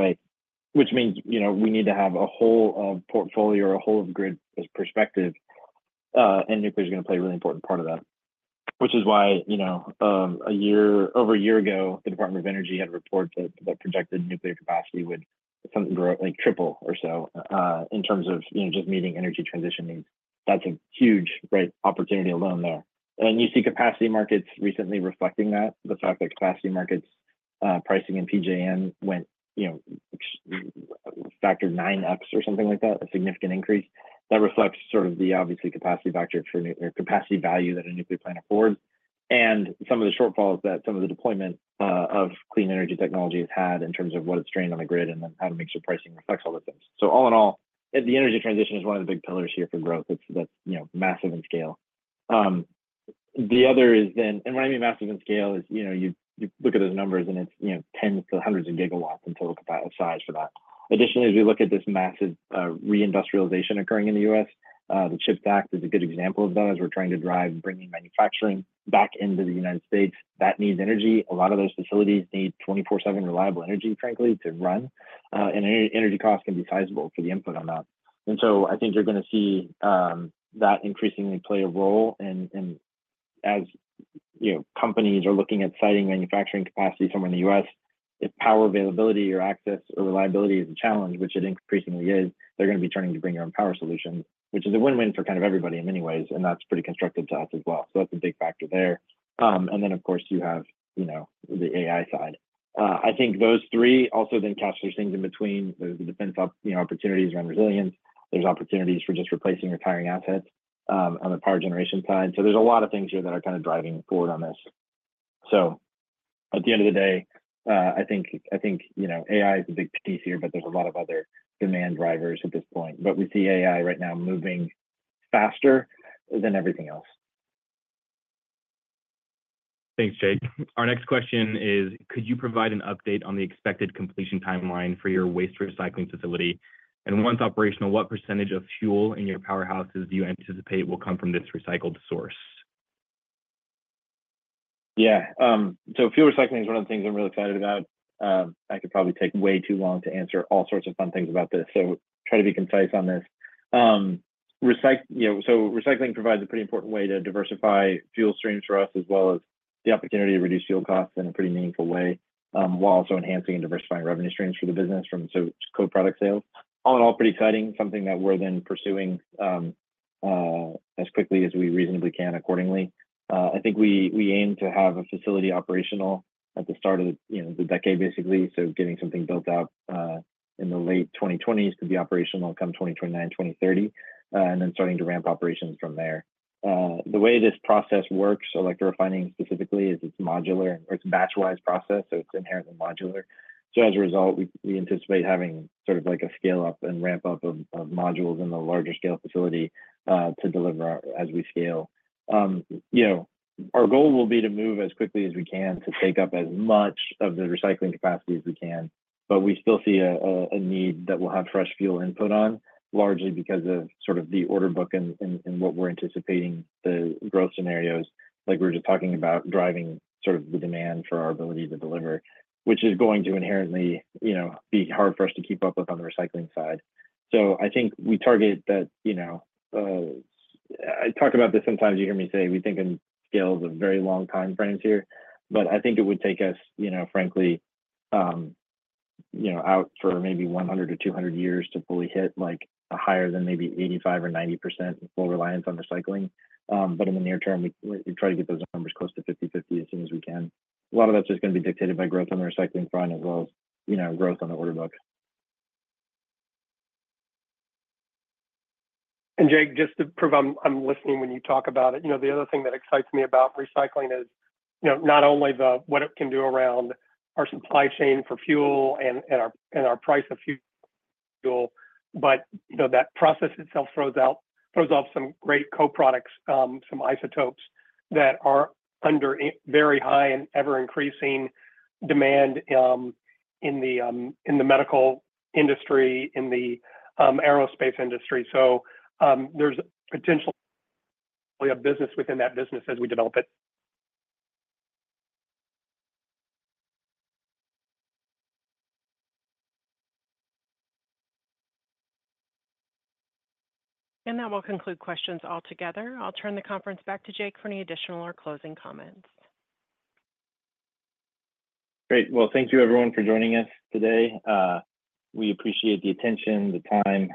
way, which means, you know, we need to have a whole, portfolio or a whole of grid perspective, and nuclear is gonna play a really important part of that. Which is why, you know, over a year ago, the Department of Energy had a report that, that projected nuclear capacity would something like triple or so, in terms of, you know, just meeting energy transition needs. That's a huge, right, opportunity alone there. And you see capacity markets recently reflecting that. The fact that capacity markets, pricing in PJM went, you know, a factor of nine up or something like that, a significant increase, that reflects sort of the obviously capacity factor for nuclear capacity value that a nuclear plant affords, and some of the shortfalls that some of the deployment of clean energy technology has had in terms of what it's strained on the grid and then how to make sure pricing reflects all the things. So all in all, the energy transition is one of the big pillars here for growth. It's, that's, you know, massive in scale. The other is then. When I mean massive in scale, is, you know, you, you look at those numbers, and it's, you know, tens to hundreds of gigawatts in total capacity size for that. Additionally, as we look at this massive reindustrialization occurring in the U.S., the CHIPS Act is a good example of that, as we're trying to drive bringing manufacturing back into the United States. That needs energy. A lot of those facilities need 24/7 reliable energy, frankly, to run. And energy costs can be sizable for the input on that. And so I think you're gonna see that increasingly play a role in as, you know, companies are looking at siting manufacturing capacity somewhere in the U.S., if power availability or access or reliability is a challenge, which it increasingly is, they're gonna be turning to bring your own power solutions, which is a win-win for kind of everybody in many ways, and that's pretty constructive to us as well. So that's a big factor there. And then, of course, you have, you know, the AI side. I think those three also then capture things in between. There's the defense op, you know, opportunities around resilience. There's opportunities for just replacing retiring assets, on the power generation side. So there's a lot of things here that are kind of driving forward on this. So at the end of the day, I think, I think, you know, AI is a big piece here, but there's a lot of other demand drivers at this point. But we see AI right now moving faster than everything else. Thanks, Jake. Our next question is, could you provide an update on the expected completion timeline for your waste recycling facility? And once operational, what percentage of fuel in your powerhouses do you anticipate will come from this recycled source? Yeah, so fuel recycling is one of the things I'm really excited about. I could probably take way too long to answer all sorts of fun things about this, so try to be concise on this. You know, so recycling provides a pretty important way to diversify fuel streams for us, as well as the opportunity to reduce fuel costs in a pretty meaningful way, while also enhancing and diversifying revenue streams for the business from co-product sales. All in all, pretty exciting, something that we're then pursuing, as quickly as we reasonably can accordingly. I think we aim to have a facility operational at the start of, you know, the decade, basically. So getting something built out in the late 2020s to be operational come 2029, 2030, and then starting to ramp operations from there. The way this process works, electrorefining specifically, is it's modular, or it's a batch-wise process, so it's inherently modular. So as a result, we anticipate having sort of like a scale-up and ramp-up of modules in the larger scale facility to deliver our... as we scale. You know, our goal will be to move as quickly as we can to take up as much of the recycling capacity as we can, but we still see a need that we'll have fresh fuel input on, largely because of sort of the order book and what we're anticipating the growth scenarios, like we were just talking about, driving sort of the demand for our ability to deliver, which is going to inherently, you know, be hard for us to keep up with on the recycling side. So I think we target that, you know, I talk about this sometimes, you hear me say, we think in scales of very long time frames here, but I think it would take us, you know, frankly, you know, out for maybe 100-200 years to fully hit, like, a higher than maybe 85% or 90% full reliance on recycling. But in the near term, we try to get those numbers close to 50/50 as soon as we can. A lot of that's just gonna be dictated by growth on the recycling front, as well as, you know, growth on the order book. Jake, just to prove I'm listening when you talk about it, you know, the other thing that excites me about recycling is, you know, not only what it can do around our supply chain for fuel and our price of fuel. But, you know, that process itself throws out, throws off some great co-products, some isotopes that are under a very high and ever-increasing demand, in the medical industry, in the aerospace industry. So, there's potential, we have business within that business as we develop it. That will conclude questions altogether. I'll turn the conference back to Jake for any additional or closing comments. Great. Well, thank you everyone for joining us today. We appreciate the attention, the time,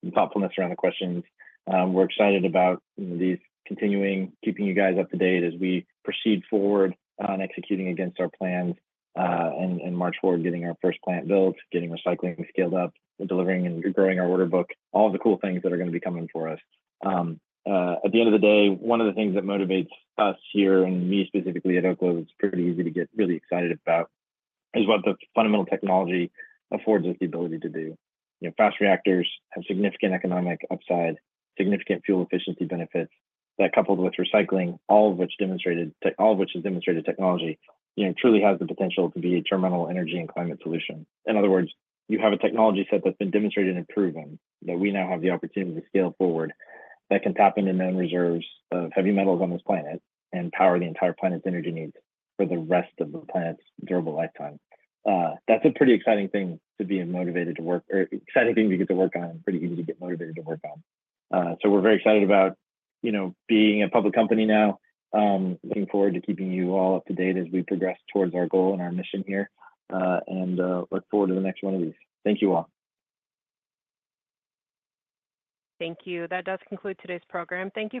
and thoughtfulness around the questions. We're excited about these continuing, keeping you guys up to date as we proceed forward on executing against our plans, and march forward, getting our first plant built, getting recycling scaled up, and delivering and growing our order book, all the cool things that are gonna be coming for us. At the end of the day, one of the things that motivates us here, and me specifically at Oklo, it's pretty easy to get really excited about, is what the fundamental technology affords us the ability to do. You know, fast reactors have significant economic upside, significant fuel efficiency benefits, that coupled with recycling, all of which is demonstrated technology, you know, truly has the potential to be a terminal energy and climate solution. In other words, you have a technology set that's been demonstrated and proven, that we now have the opportunity to scale forward, that can tap into known reserves of heavy metals on this planet and power the entire planet's energy needs for the rest of the planet's durable lifetime. That's a pretty exciting thing to be motivated to work, or exciting thing to get to work on, and pretty easy to get motivated to work on. So we're very excited about, you know, being a public company now. Looking forward to keeping you all up to date as we progress towards our goal and our mission here, and look forward to the next one of these. Thank you, all. Thank you. That does conclude today's program. Thank you for-